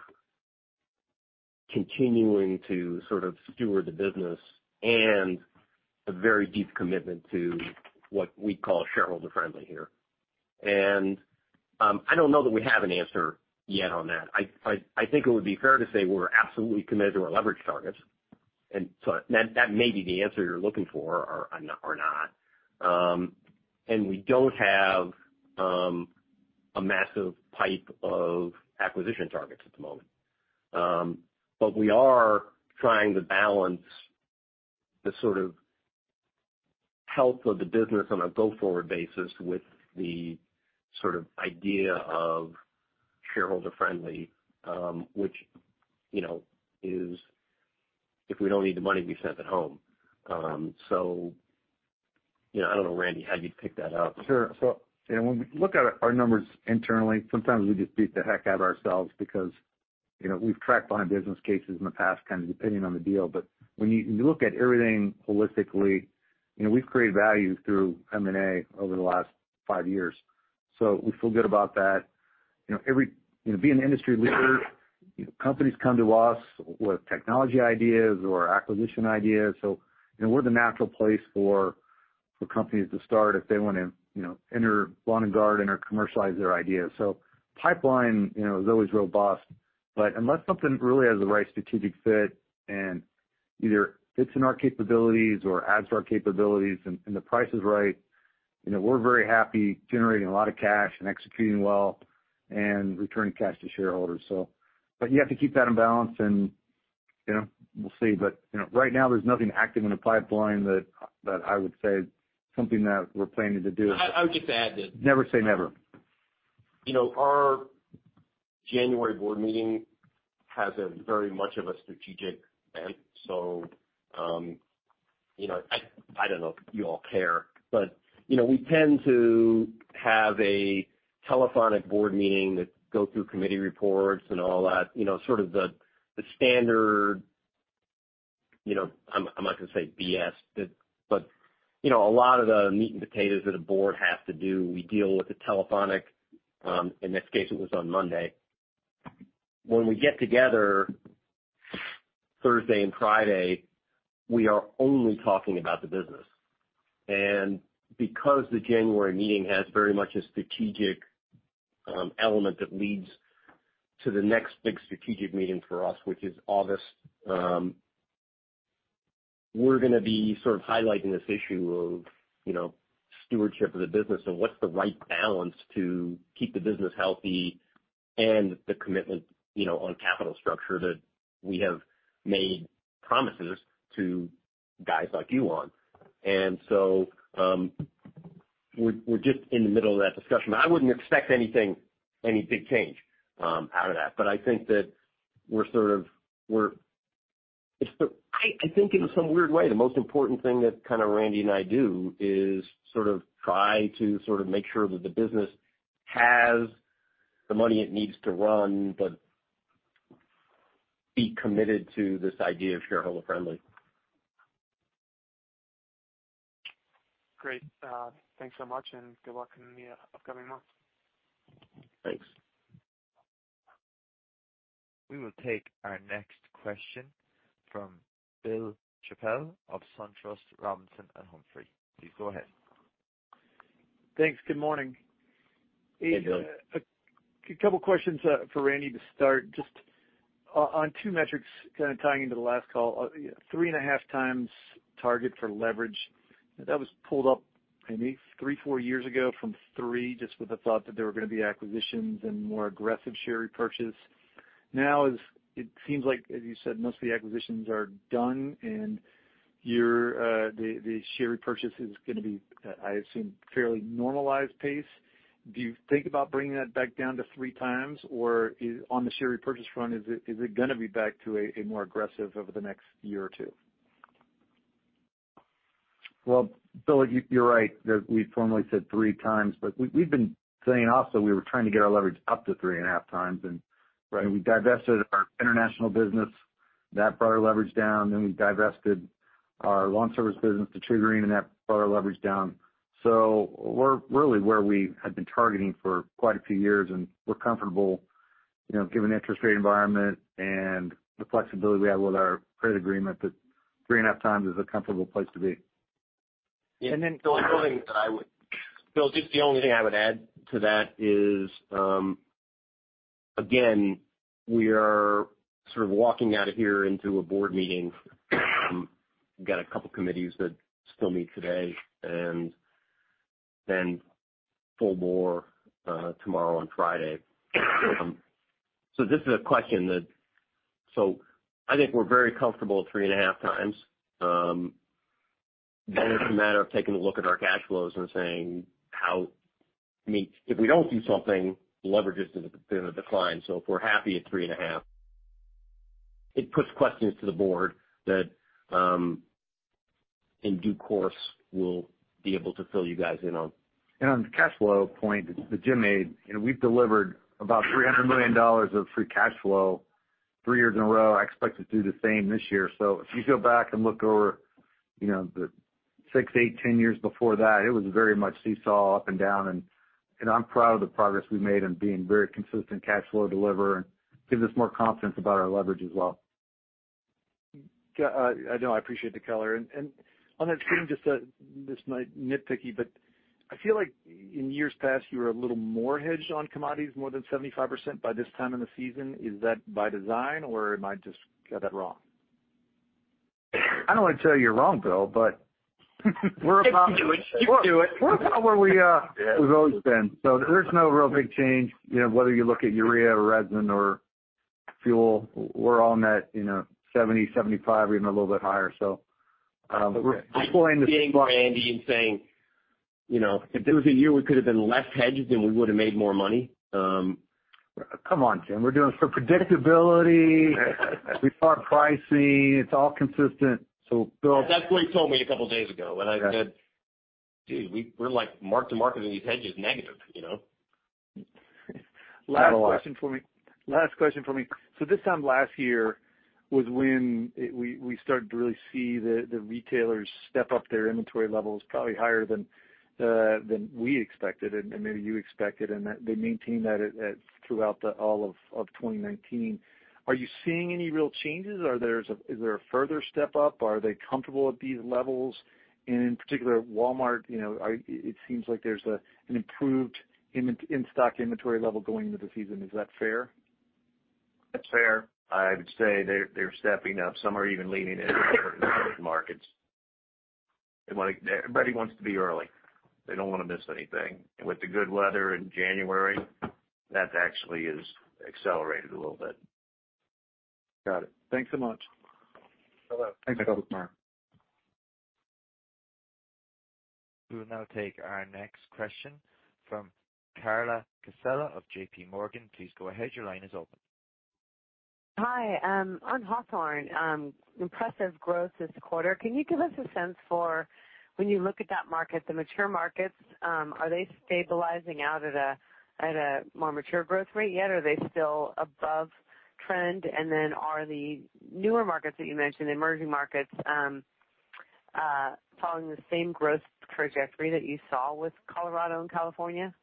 continuing to sort of steward the business and a very deep commitment to what we call shareholder friendly here. I don't know that we have an answer yet on that. I think it would be fair to say we're absolutely committed to our leverage targets. That may be the answer you're looking for or not. We don't have a massive pipe of acquisition targets at the moment. We are trying to balance the sort of health of the business on a go-forward basis with the sort of idea of shareholder friendly, which is if we don't need the money, we send it home. I don't know, Randy, how you'd pick that up. Sure. When we look at our numbers internally, sometimes we just beat the heck out of ourselves because we've tracked behind business cases in the past, kind of depending on the deal. When you look at everything holistically, we've created value through M&A over the last five years, so we feel good about that. Being an industry leader, companies come to us with technology ideas or acquisition ideas. We're the natural place for companies to start if they want to enter lawn and garden or commercialize their ideas. Pipeline is always robust, but unless something really has the right strategic fit and either fits in our capabilities or adds to our capabilities, and the price is right, we're very happy generating a lot of cash and executing well and returning cash to shareholders. You have to keep that in balance and we'll see. Right now, there's nothing active in the pipeline that I would say something that we're planning to do. I would just add that- Never say never Our January board meeting has a very much of a strategic bent. I don't know if you all care, but we tend to have a telephonic board meeting that go through committee reports and all that, sort of the standard, I'm not going to say BS, but a lot of the meat and potatoes that a board has to do, we deal with the telephonic. In this case, it was on Monday. When we get together Thursday and Friday, we are only talking about the business. Because the January meeting has very much a strategic element that leads to the next big strategic meeting for us, which is August, we're going to be sort of highlighting this issue of stewardship of the business and what's the right balance to keep the business healthy and the commitment on capital structure that we have made promises to guys like you on. We're just in the middle of that discussion. I wouldn't expect any big change out of that. I think in some weird way, the most important thing that Randy and I do is to try to make sure that the business has the money it needs to run, but be committed to this idea of shareholder friendly. Great. Thanks so much, and good luck in the upcoming month. Thanks. We will take our next question from Bill Chappell of SunTrust Robinson Humphrey. Please go ahead. Thanks. Good morning. Hey, Bill. A couple questions for Randy to start, just on two metrics, kind of tying into the last call, 3.5x target for leverage. That was pulled up, maybe three, four years ago from 3x, just with the thought that there were going to be acquisitions and more aggressive share repurchase. Now, it seems like, as you said, most of the acquisitions are done, and the share repurchase is going to be, I assume, fairly normalized pace. Do you think about bringing that back down to 3x, or on the share repurchase front, is it going to be back to a more aggressive over the next year or two? Well, Bill, you're right. We formerly said 3x, but we've been saying also we were trying to get our leverage up to 3.5x. Right. We divested our international business. That brought our leverage down. We divested our lawn service business to TruGreen, and that brought our leverage down. We're really where we had been targeting for quite a few years, and we're comfortable, given the interest rate environment and the flexibility we have with our credit agreement, that 3.5x is a comfortable place to be. Bill, just the only thing I would add to that is, again, we are sort of walking out of here into a board meeting. We've got a couple committees that still meet today, and then full bore tomorrow and Friday. This is a question. I think we're very comfortable at 3.5x. It's a matter of taking a look at our cash flows and saying, I mean, if we don't do something, leverage is going to decline. If we're happy at 3.5x, it puts questions to the board that in due course, we'll be able to fill you guys in on. On the cash flow point that Jim made, we've delivered about $300 million of free cash flow three years in a row. I expect to do the same this year. If you go back and look over the six, eight, 10 years before that, it was very much seesaw up and down, and I'm proud of the progress we've made in being very consistent cash flow deliverer and gives us more confidence about our leverage as well. I know. I appreciate the color. On that theme, this might be nitpicky, but I feel like in years past, you were a little more hedged on commodities, more than 75% by this time in the season. Is that by design or am I just got that wrong? I don't want to tell you you're wrong, Bill, but. You can do it. We're about where we've always been. There's no real big change, whether you look at urea or resin or fuel, we're all net 70%, 75%, even a little bit higher. I keep seeing Randy and saying, if it was a year, we could have been less hedged, then we would have made more money. Come on, Jim. We're doing it for predictability. We thought pricing, it's all consistent. That's what he told me a couple of days ago when I said, "Dude, we're like mark-to-market in these hedges negative. Last question for me. This time last year was when we started to really see the retailers step up their inventory levels, probably higher than we expected and maybe you expected, and that they maintained that throughout all of 2019. Are you seeing any real changes? Is there a further step up? Are they comfortable at these levels? And in particular, Walmart, it seems like there's an improved in-stock inventory level going into the season. Is that fair? That's fair. I would say they're stepping up. Some are even leaning in certain markets. Everybody wants to be early. They don't want to miss anything. With the good weather in January, that actually is accelerated a little bit. Got it. Thanks so much. Hello. Thanks, Michael. We will now take our next question from Carla Casella of JPMorgan. Please go ahead. Your line is open. Hi. On Hawthorne, impressive growth this quarter. Can you give us a sense for when you look at that market, the mature markets, are they stabilizing out at a more mature growth rate yet, or are they still above trend? Are the newer markets that you mentioned, the emerging markets, following the same growth trajectory that you saw with Colorado and California?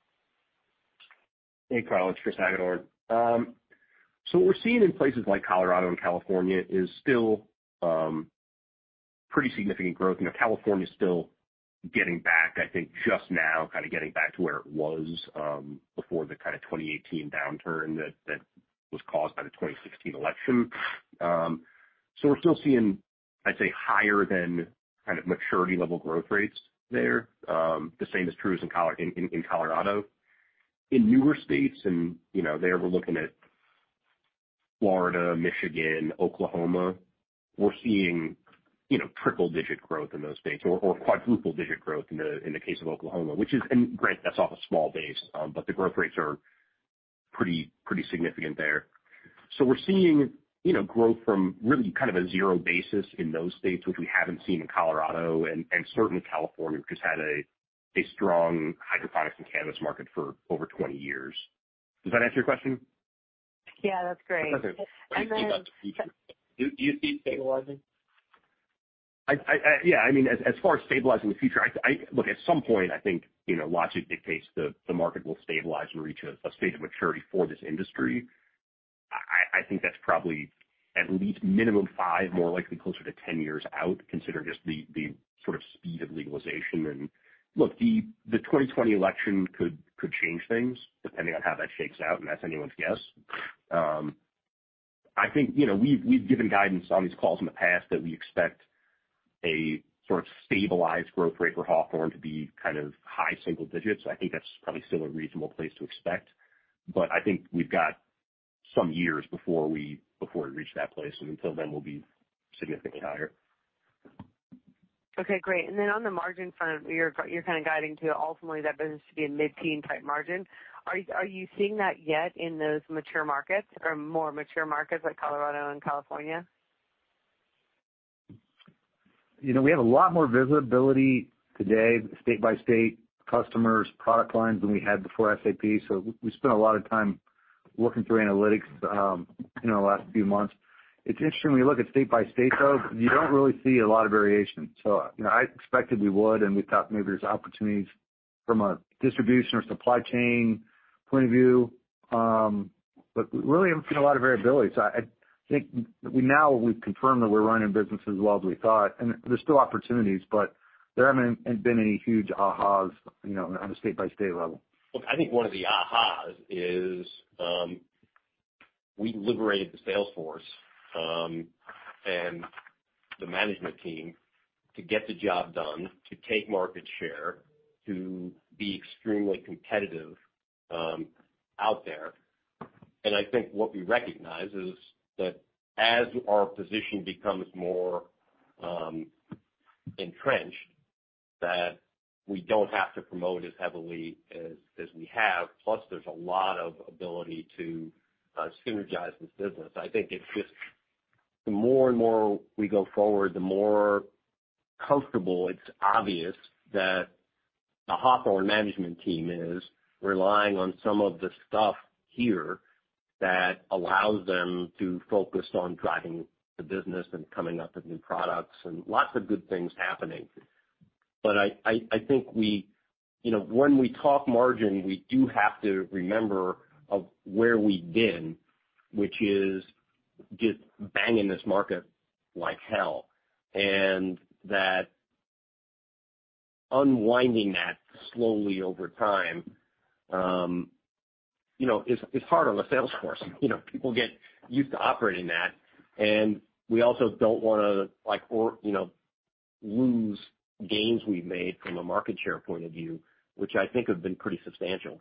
Hey, Carla, it's Chris Hagedorn. What we're seeing in places like Colorado and California is still pretty significant growth. California is still getting back, I think just now, kind of getting back to where it was before the kind of 2018 downturn that was caused by the 2016 election. We're still seeing, I'd say, higher than kind of maturity-level growth rates there. The same is true in Colorado. In newer states and there we're looking at Florida, Michigan, Oklahoma. We're seeing triple-digit growth in those states or quadruple-digit growth in the case of Oklahoma. Granted, that's off a small base, but the growth rates are pretty significant there. We're seeing growth from really kind of a zero basis in those states, which we haven't seen in Colorado and certainly California, which has had a strong hydroponics and cannabis market for over 20 years. Does that answer your question? Yeah, that's great. That's okay. Do you see it stabilizing? Yeah, as far as stabilizing the future, look, at some point, I think logic dictates the market will stabilize and reach a state of maturity for this industry. I think that's probably at least minimum five, more likely closer to 10 years out, considering just the sort of speed of legalization. Look, the 2020 election could change things depending on how that shakes out, and that's anyone's guess. I think we've given guidance on these calls in the past that we expect a sort of stabilized growth rate for Hawthorne to be kind of high single digits. I think that's probably still a reasonable place to expect, but I think we've got some years before we reach that place, and until then, we'll be significantly higher. Okay, great. Then on the margin front, you're kind of guiding to ultimately that business to be a mid-teen type margin. Are you seeing that yet in those mature markets or more mature markets like Colorado and California? We have a lot more visibility today, state by state customers, product lines than we had before SAP. We spent a lot of time looking through analytics in the last few months. It's interesting when you look at state by state, though, you don't really see a lot of variation. I expected we would, and we thought maybe there's opportunities from a distribution or supply chain point of view, but we really haven't seen a lot of variability. I think now we've confirmed that we're running businesses well as we thought, and there's still opportunities, but there haven't been any huge ahas on a state by state level. Look, I think one of the ahas is we liberated the sales force, and the management team to get the job done, to take market share, to be extremely competitive out there. I think what we recognize is that as our position becomes more entrenched, that we don't have to promote as heavily as we have. Plus, there's a lot of ability to synergize this business. I think it's just the more and more we go forward, the more comfortable it's obvious that the Hawthorne management team is relying on some of the stuff here that allows them to focus on driving the business and coming up with new products and lots of good things happening. I think when we talk margin, we do have to remember where we've been, which is just banging this market like hell. That unwinding that slowly over time is hard on the sales force. People get used to operating that, and we also don't want to lose gains we've made from a market share point of view, which I think have been pretty substantial.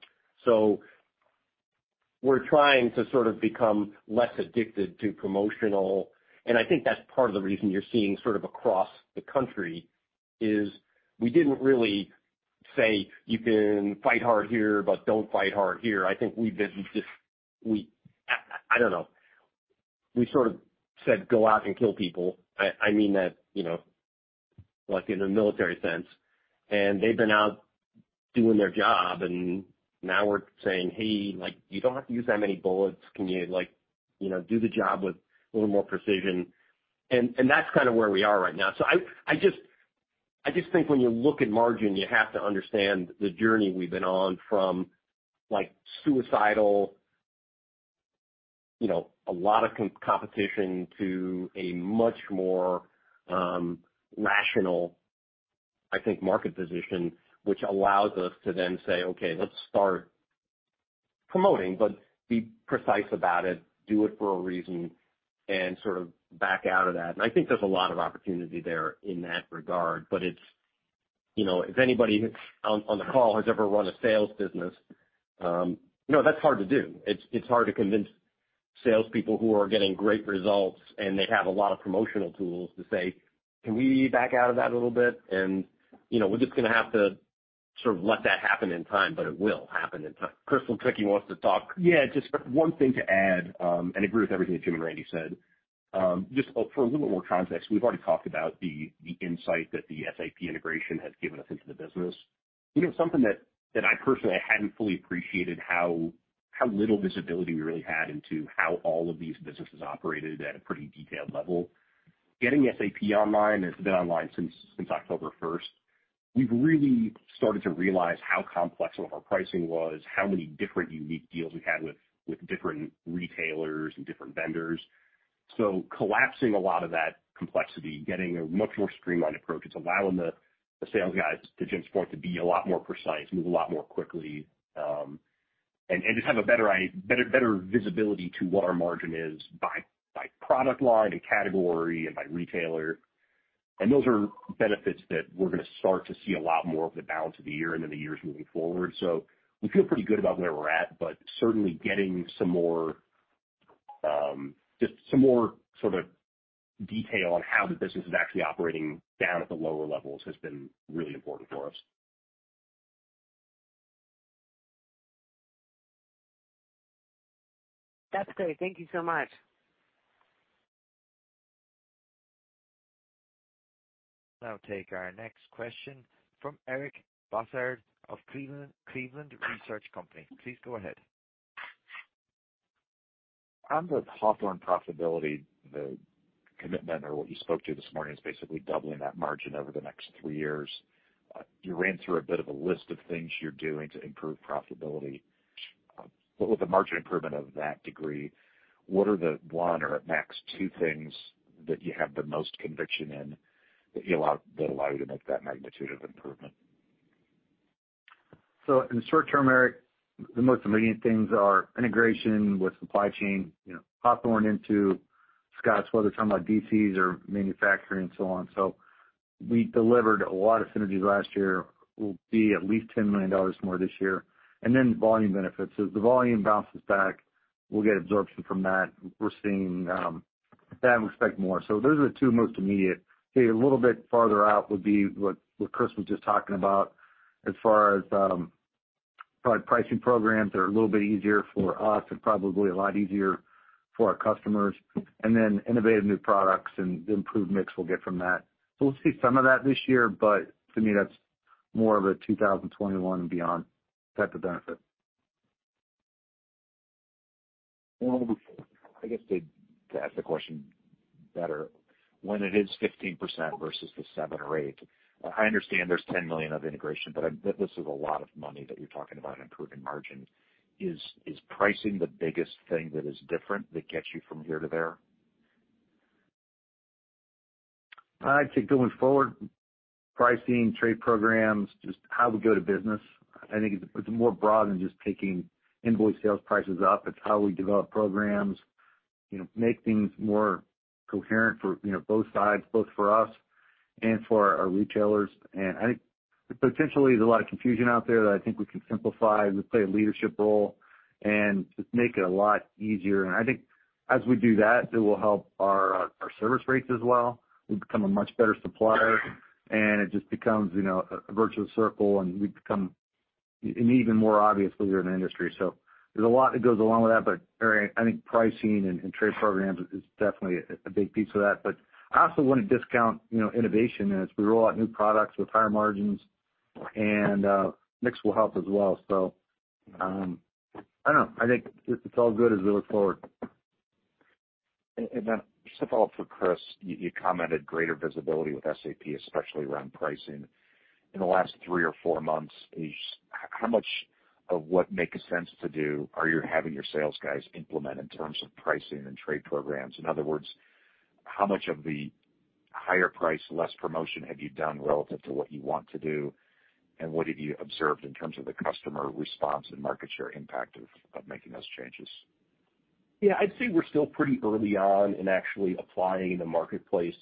We're trying to sort of become less addicted to promotional, and I think that's part of the reason you're seeing sort of across the country is we didn't really say, "You can fight hard here, but don't fight hard here." I don't know. We sort of said, "Go out and kill people. Like in a military sense, they've been out doing their job, now we're saying, "Hey, you don't have to use that many bullets. Can you do the job with a little more precision?" That's kind of where we are right now. I just think when you look at margin, you have to understand the journey we've been on from suicidal, a lot of competition to a much more rational, I think, market position, which allows us to then say, "Okay, let's start promoting, but be precise about it, do it for a reason, and sort of back out of that." I think there's a lot of opportunity there in that regard. If anybody on the call has ever run a sales business, you know that's hard to do. It's hard to convince salespeople who are getting great results, and they have a lot of promotional tools to say, "Can we back out of that a little bit?" We're just going to have to sort of let that happen in time, but it will happen in time. Chris, I think he wants to talk. Yeah, just one thing to add. I agree with everything that Jim and Randy said. Just for a little more context, we've already talked about the insight that the SAP integration has given us into the business. Something that I personally hadn't fully appreciated how little visibility we really had into how all of these businesses operated at a pretty detailed level. Getting SAP online, it's been online since October 1st. We've really started to realize how complex all of our pricing was, how many different unique deals we had with different retailers and different vendors. Collapsing a lot of that complexity, getting a much more streamlined approach, it's allowing the sales guys, to Jim's point, to be a lot more precise, move a lot more quickly, and just have a better visibility to what our margin is by product line and category and by retailer. Those are benefits that we're going to start to see a lot more of the balance of the year and in the years moving forward. We feel pretty good about where we're at, but certainly getting just some more sort of detail on how the business is actually operating down at the lower levels has been really important for us. That's great. Thank you so much. I'll take our next question from Eric Bosshard of Cleveland Research Company. Please go ahead. On the Hawthorne profitability, the commitment or what you spoke to this morning is basically doubling that margin over the next three years. You ran through a bit of a list of things you're doing to improve profitability. With the margin improvement of that degree, what are the one or at max two things that you have the most conviction in that allow you to make that magnitude of improvement? In the short term, Eric, the most immediate things are integration with supply chain, Hawthorne into Scotts network, talking about DCs or manufacturing and so on. We delivered a lot of synergies last year, will be at least $10 million more this year, then volume benefits. As the volume bounces back, we'll get absorption from that. We're seeing that and expect more. Those are the two most immediate. A little bit farther out would be what Chris was just talking about as far as product pricing programs are a little bit easier for us and probably a lot easier for our customers, then innovative new products and the improved mix we'll get from that. We'll see some of that this year, but to me, that's more of a 2021 and beyond type of benefit. Well, I guess to ask the question better, when it is 15% versus the 7% or 8%, I understand there's $10 million of integration. This is a lot of money that you're talking about improving margin. Is pricing the biggest thing that is different that gets you from here to there? I'd say going forward, pricing, trade programs, just how we go to business. I think it's more broad than just taking invoice sales prices up. It's how we develop programs, make things more coherent for both sides, both for us and for our retailers. I think there potentially is a lot of confusion out there that I think we can simplify. We play a leadership role and just make it a lot easier. I think as we do that, it will help our service rates as well. We become a much better supplier, and it just becomes a virtuous circle, and we become an even more obvious leader in the industry. There's a lot that goes along with that. Eric, I think pricing and trade programs is definitely a big piece of that. I also wouldn't discount innovation as we roll out new products with higher margins, and mix will help as well. I don't know. I think it's all good as we look forward. Then just a follow-up for Chris. You commented greater visibility with SAP, especially around pricing. In the last three or four months, how much of what makes sense to do are you having your sales guys implement in terms of pricing and trade programs? In other words, how much of the higher price, less promotion have you done relative to what you want to do? And what have you observed in terms of the customer response and market share impact of making those changes? I'd say we're still pretty early on in actually applying the marketplace,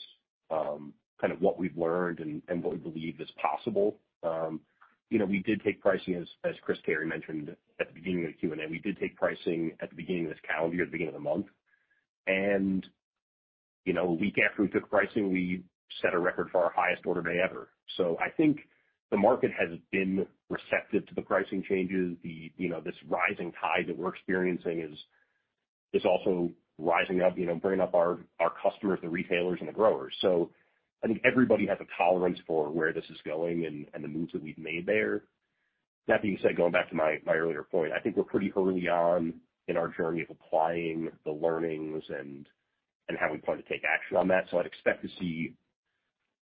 kind of what we've learned and what we believe is possible. We did take pricing, as Chris Carey mentioned at the beginning of the Q&A, we did take pricing at the beginning of this calendar year, at the beginning of the month. A week after we took pricing, we set a record for our highest order day ever. I think the market has been receptive to the pricing changes. This rising tide that we're experiencing is also rising up, bringing up our customers, the retailers, and the growers. I think everybody has a tolerance for where this is going and the moves that we've made there. That being said, going back to my earlier point, I think we're pretty early on in our journey of applying the learnings and having fun to take action on that. I'd expect to see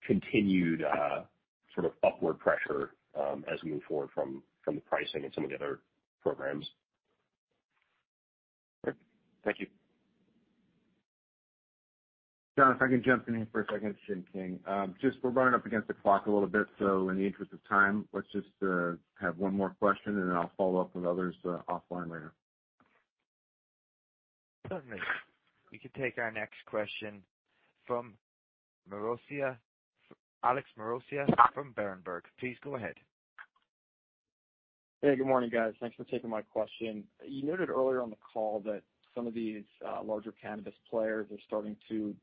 continued upward pressure as we move forward from the pricing and some of the other programs. Great. Thank you. Jon, if I can jump in here for a second. It's Jim King. We're running up against the clock a little bit. In the interest of time, let's just have one more question. I'll follow up with others offline later. Certainly. We can take our next question from Alex Maroccia from Berenberg. Please go ahead. Hey, good morning, guys. Thanks for taking my question. You noted earlier on the call that some of these larger cannabis players are starting to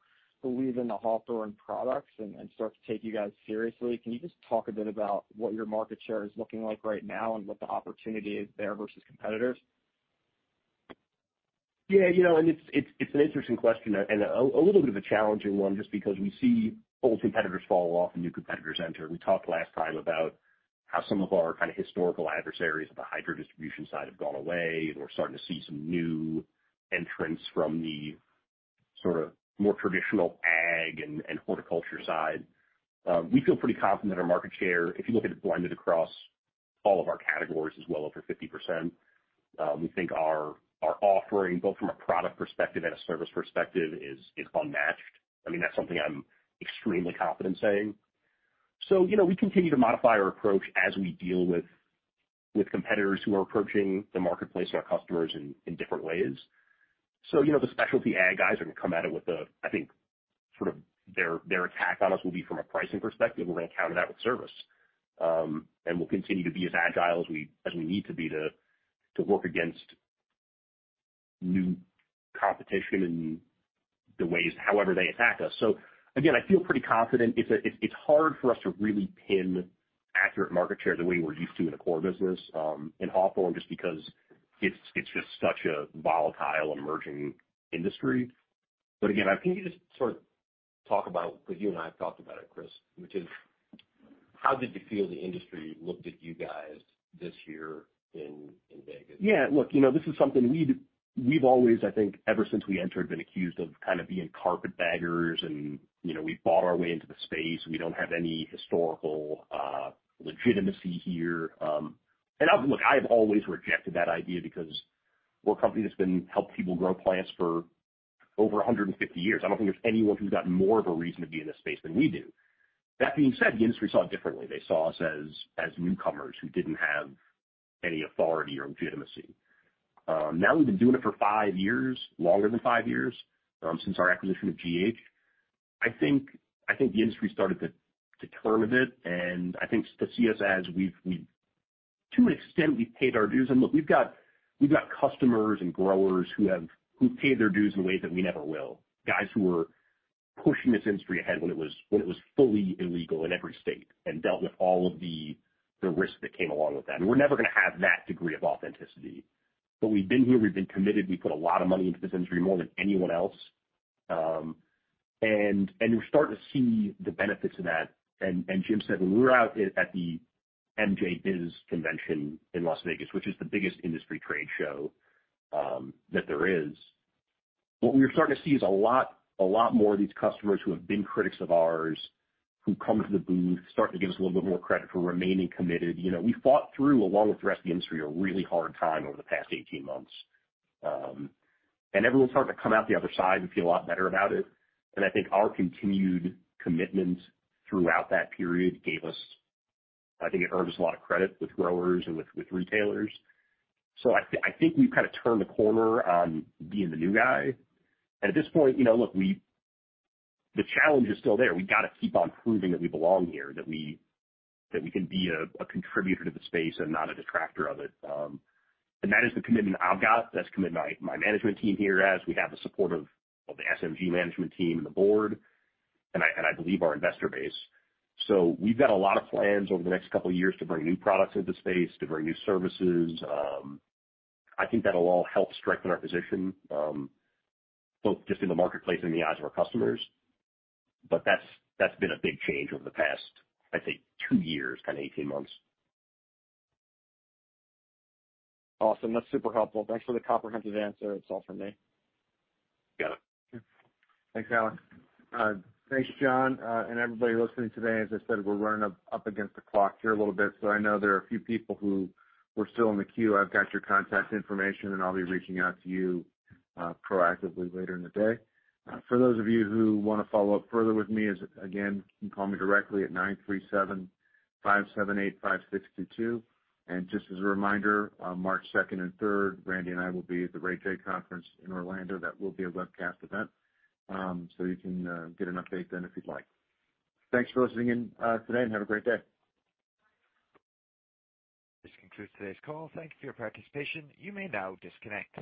believe in the Hawthorne products and start to take you guys seriously. Can you just talk a bit about what your market share is looking like right now and what the opportunity is there versus competitors? Yeah. It's an interesting question and a little bit of a challenging one just because we see old competitors fall off and new competitors enter. We talked last time about how some of our kind of historical adversaries on the hydro distribution side have gone away, and we're starting to see some new entrants from the sort of more traditional ag and horticulture side. We feel pretty confident our market share, if you look at it blended across all of our categories, is well over 50%. We think our offering, both from a product perspective and a service perspective, is unmatched. That's something I'm extremely confident saying. We continue to modify our approach as we deal with competitors who are approaching the marketplace and our customers in different ways. The specialty ag guys are going to come at it with a I think sort of their attack on us will be from a pricing perspective. We're going to counter that with service. We'll continue to be as agile as we need to be to work against new competition in the ways, however they attack us. I feel pretty confident. It's hard for us to really pin accurate market share the way we're used to in the core business in Hawthorne, just because it's just such a volatile, emerging industry. Can you just sort of talk about, because you and I have talked about it, Chris, which is how did you feel the industry looked at you guys this year in Vegas? Yeah, look, this is something we've always, I think, ever since we entered, been accused of kind of being carpetbaggers and we bought our way into the space, we don't have any historical legitimacy here. Look, I have always rejected that idea because we're a company that's been helping people grow plants for over 150 years. I don't think there's anyone who's got more of a reason to be in this space than we do. That being said, the industry saw it differently. They saw us as newcomers who didn't have any authority or legitimacy. Now we've been doing it for five years, longer than five years, since our acquisition of GH. I think the industry started to turn a bit, I think to see us as we've, to an extent, we've paid our dues. Look, we've got customers and growers who paid their dues in ways that we never will. Guys who were pushing this industry ahead when it was fully illegal in every state and dealt with all of the risks that came along with that. We're never going to have that degree of authenticity. We've been here, we've been committed, we put a lot of money into this industry, more than anyone else. We're starting to see the benefits of that. Jim said when we were out at the MJBiz convention in Las Vegas, which is the biggest industry trade show that there is, what we were starting to see is a lot more of these customers who have been critics of ours, who come to the booth, starting to give us a little bit more credit for remaining committed. We fought through, along with the rest of the industry, a really hard time over the past 18 months. Everyone's starting to come out the other side and feel a lot better about it. I think our continued commitment throughout that period gave us I think it earned us a lot of credit with growers and with retailers. I think we've kind of turned a corner on being the new guy. At this point, look, the challenge is still there. We got to keep on proving that we belong here, that we can be a contributor to the space and not a detractor of it. That is the commitment I've got. That's the commitment my management team here has. We have the support of the SMG management team and the board, and I believe our investor base. We've got a lot of plans over the next couple of years to bring new products into the space, to bring new services. I think that'll all help strengthen our position, both just in the marketplace and in the eyes of our customers. That's been a big change over the past, I'd say two years, kind of 18 months. Awesome. That's super helpful. Thanks for the comprehensive answer. It's all for me. Got it. Thanks, Alex. Thanks, Jon, and everybody listening today. As I said, we're running up against the clock here a little bit, so I know there are a few people who were still in the queue. I've got your contact information, and I'll be reaching out to you proactively later in the day. For those of you who want to follow up further with me, again, you can call me directly at 937-578-5622. Just as a reminder, on March 2nd and 3rd, Randy and I will be at the Raymond James Institutional Investors Conference in Orlando. That will be a webcast event. You can get an update then if you'd like. Thanks for listening in today and have a great day. This concludes today's call. Thank you for your participation. You may now disconnect.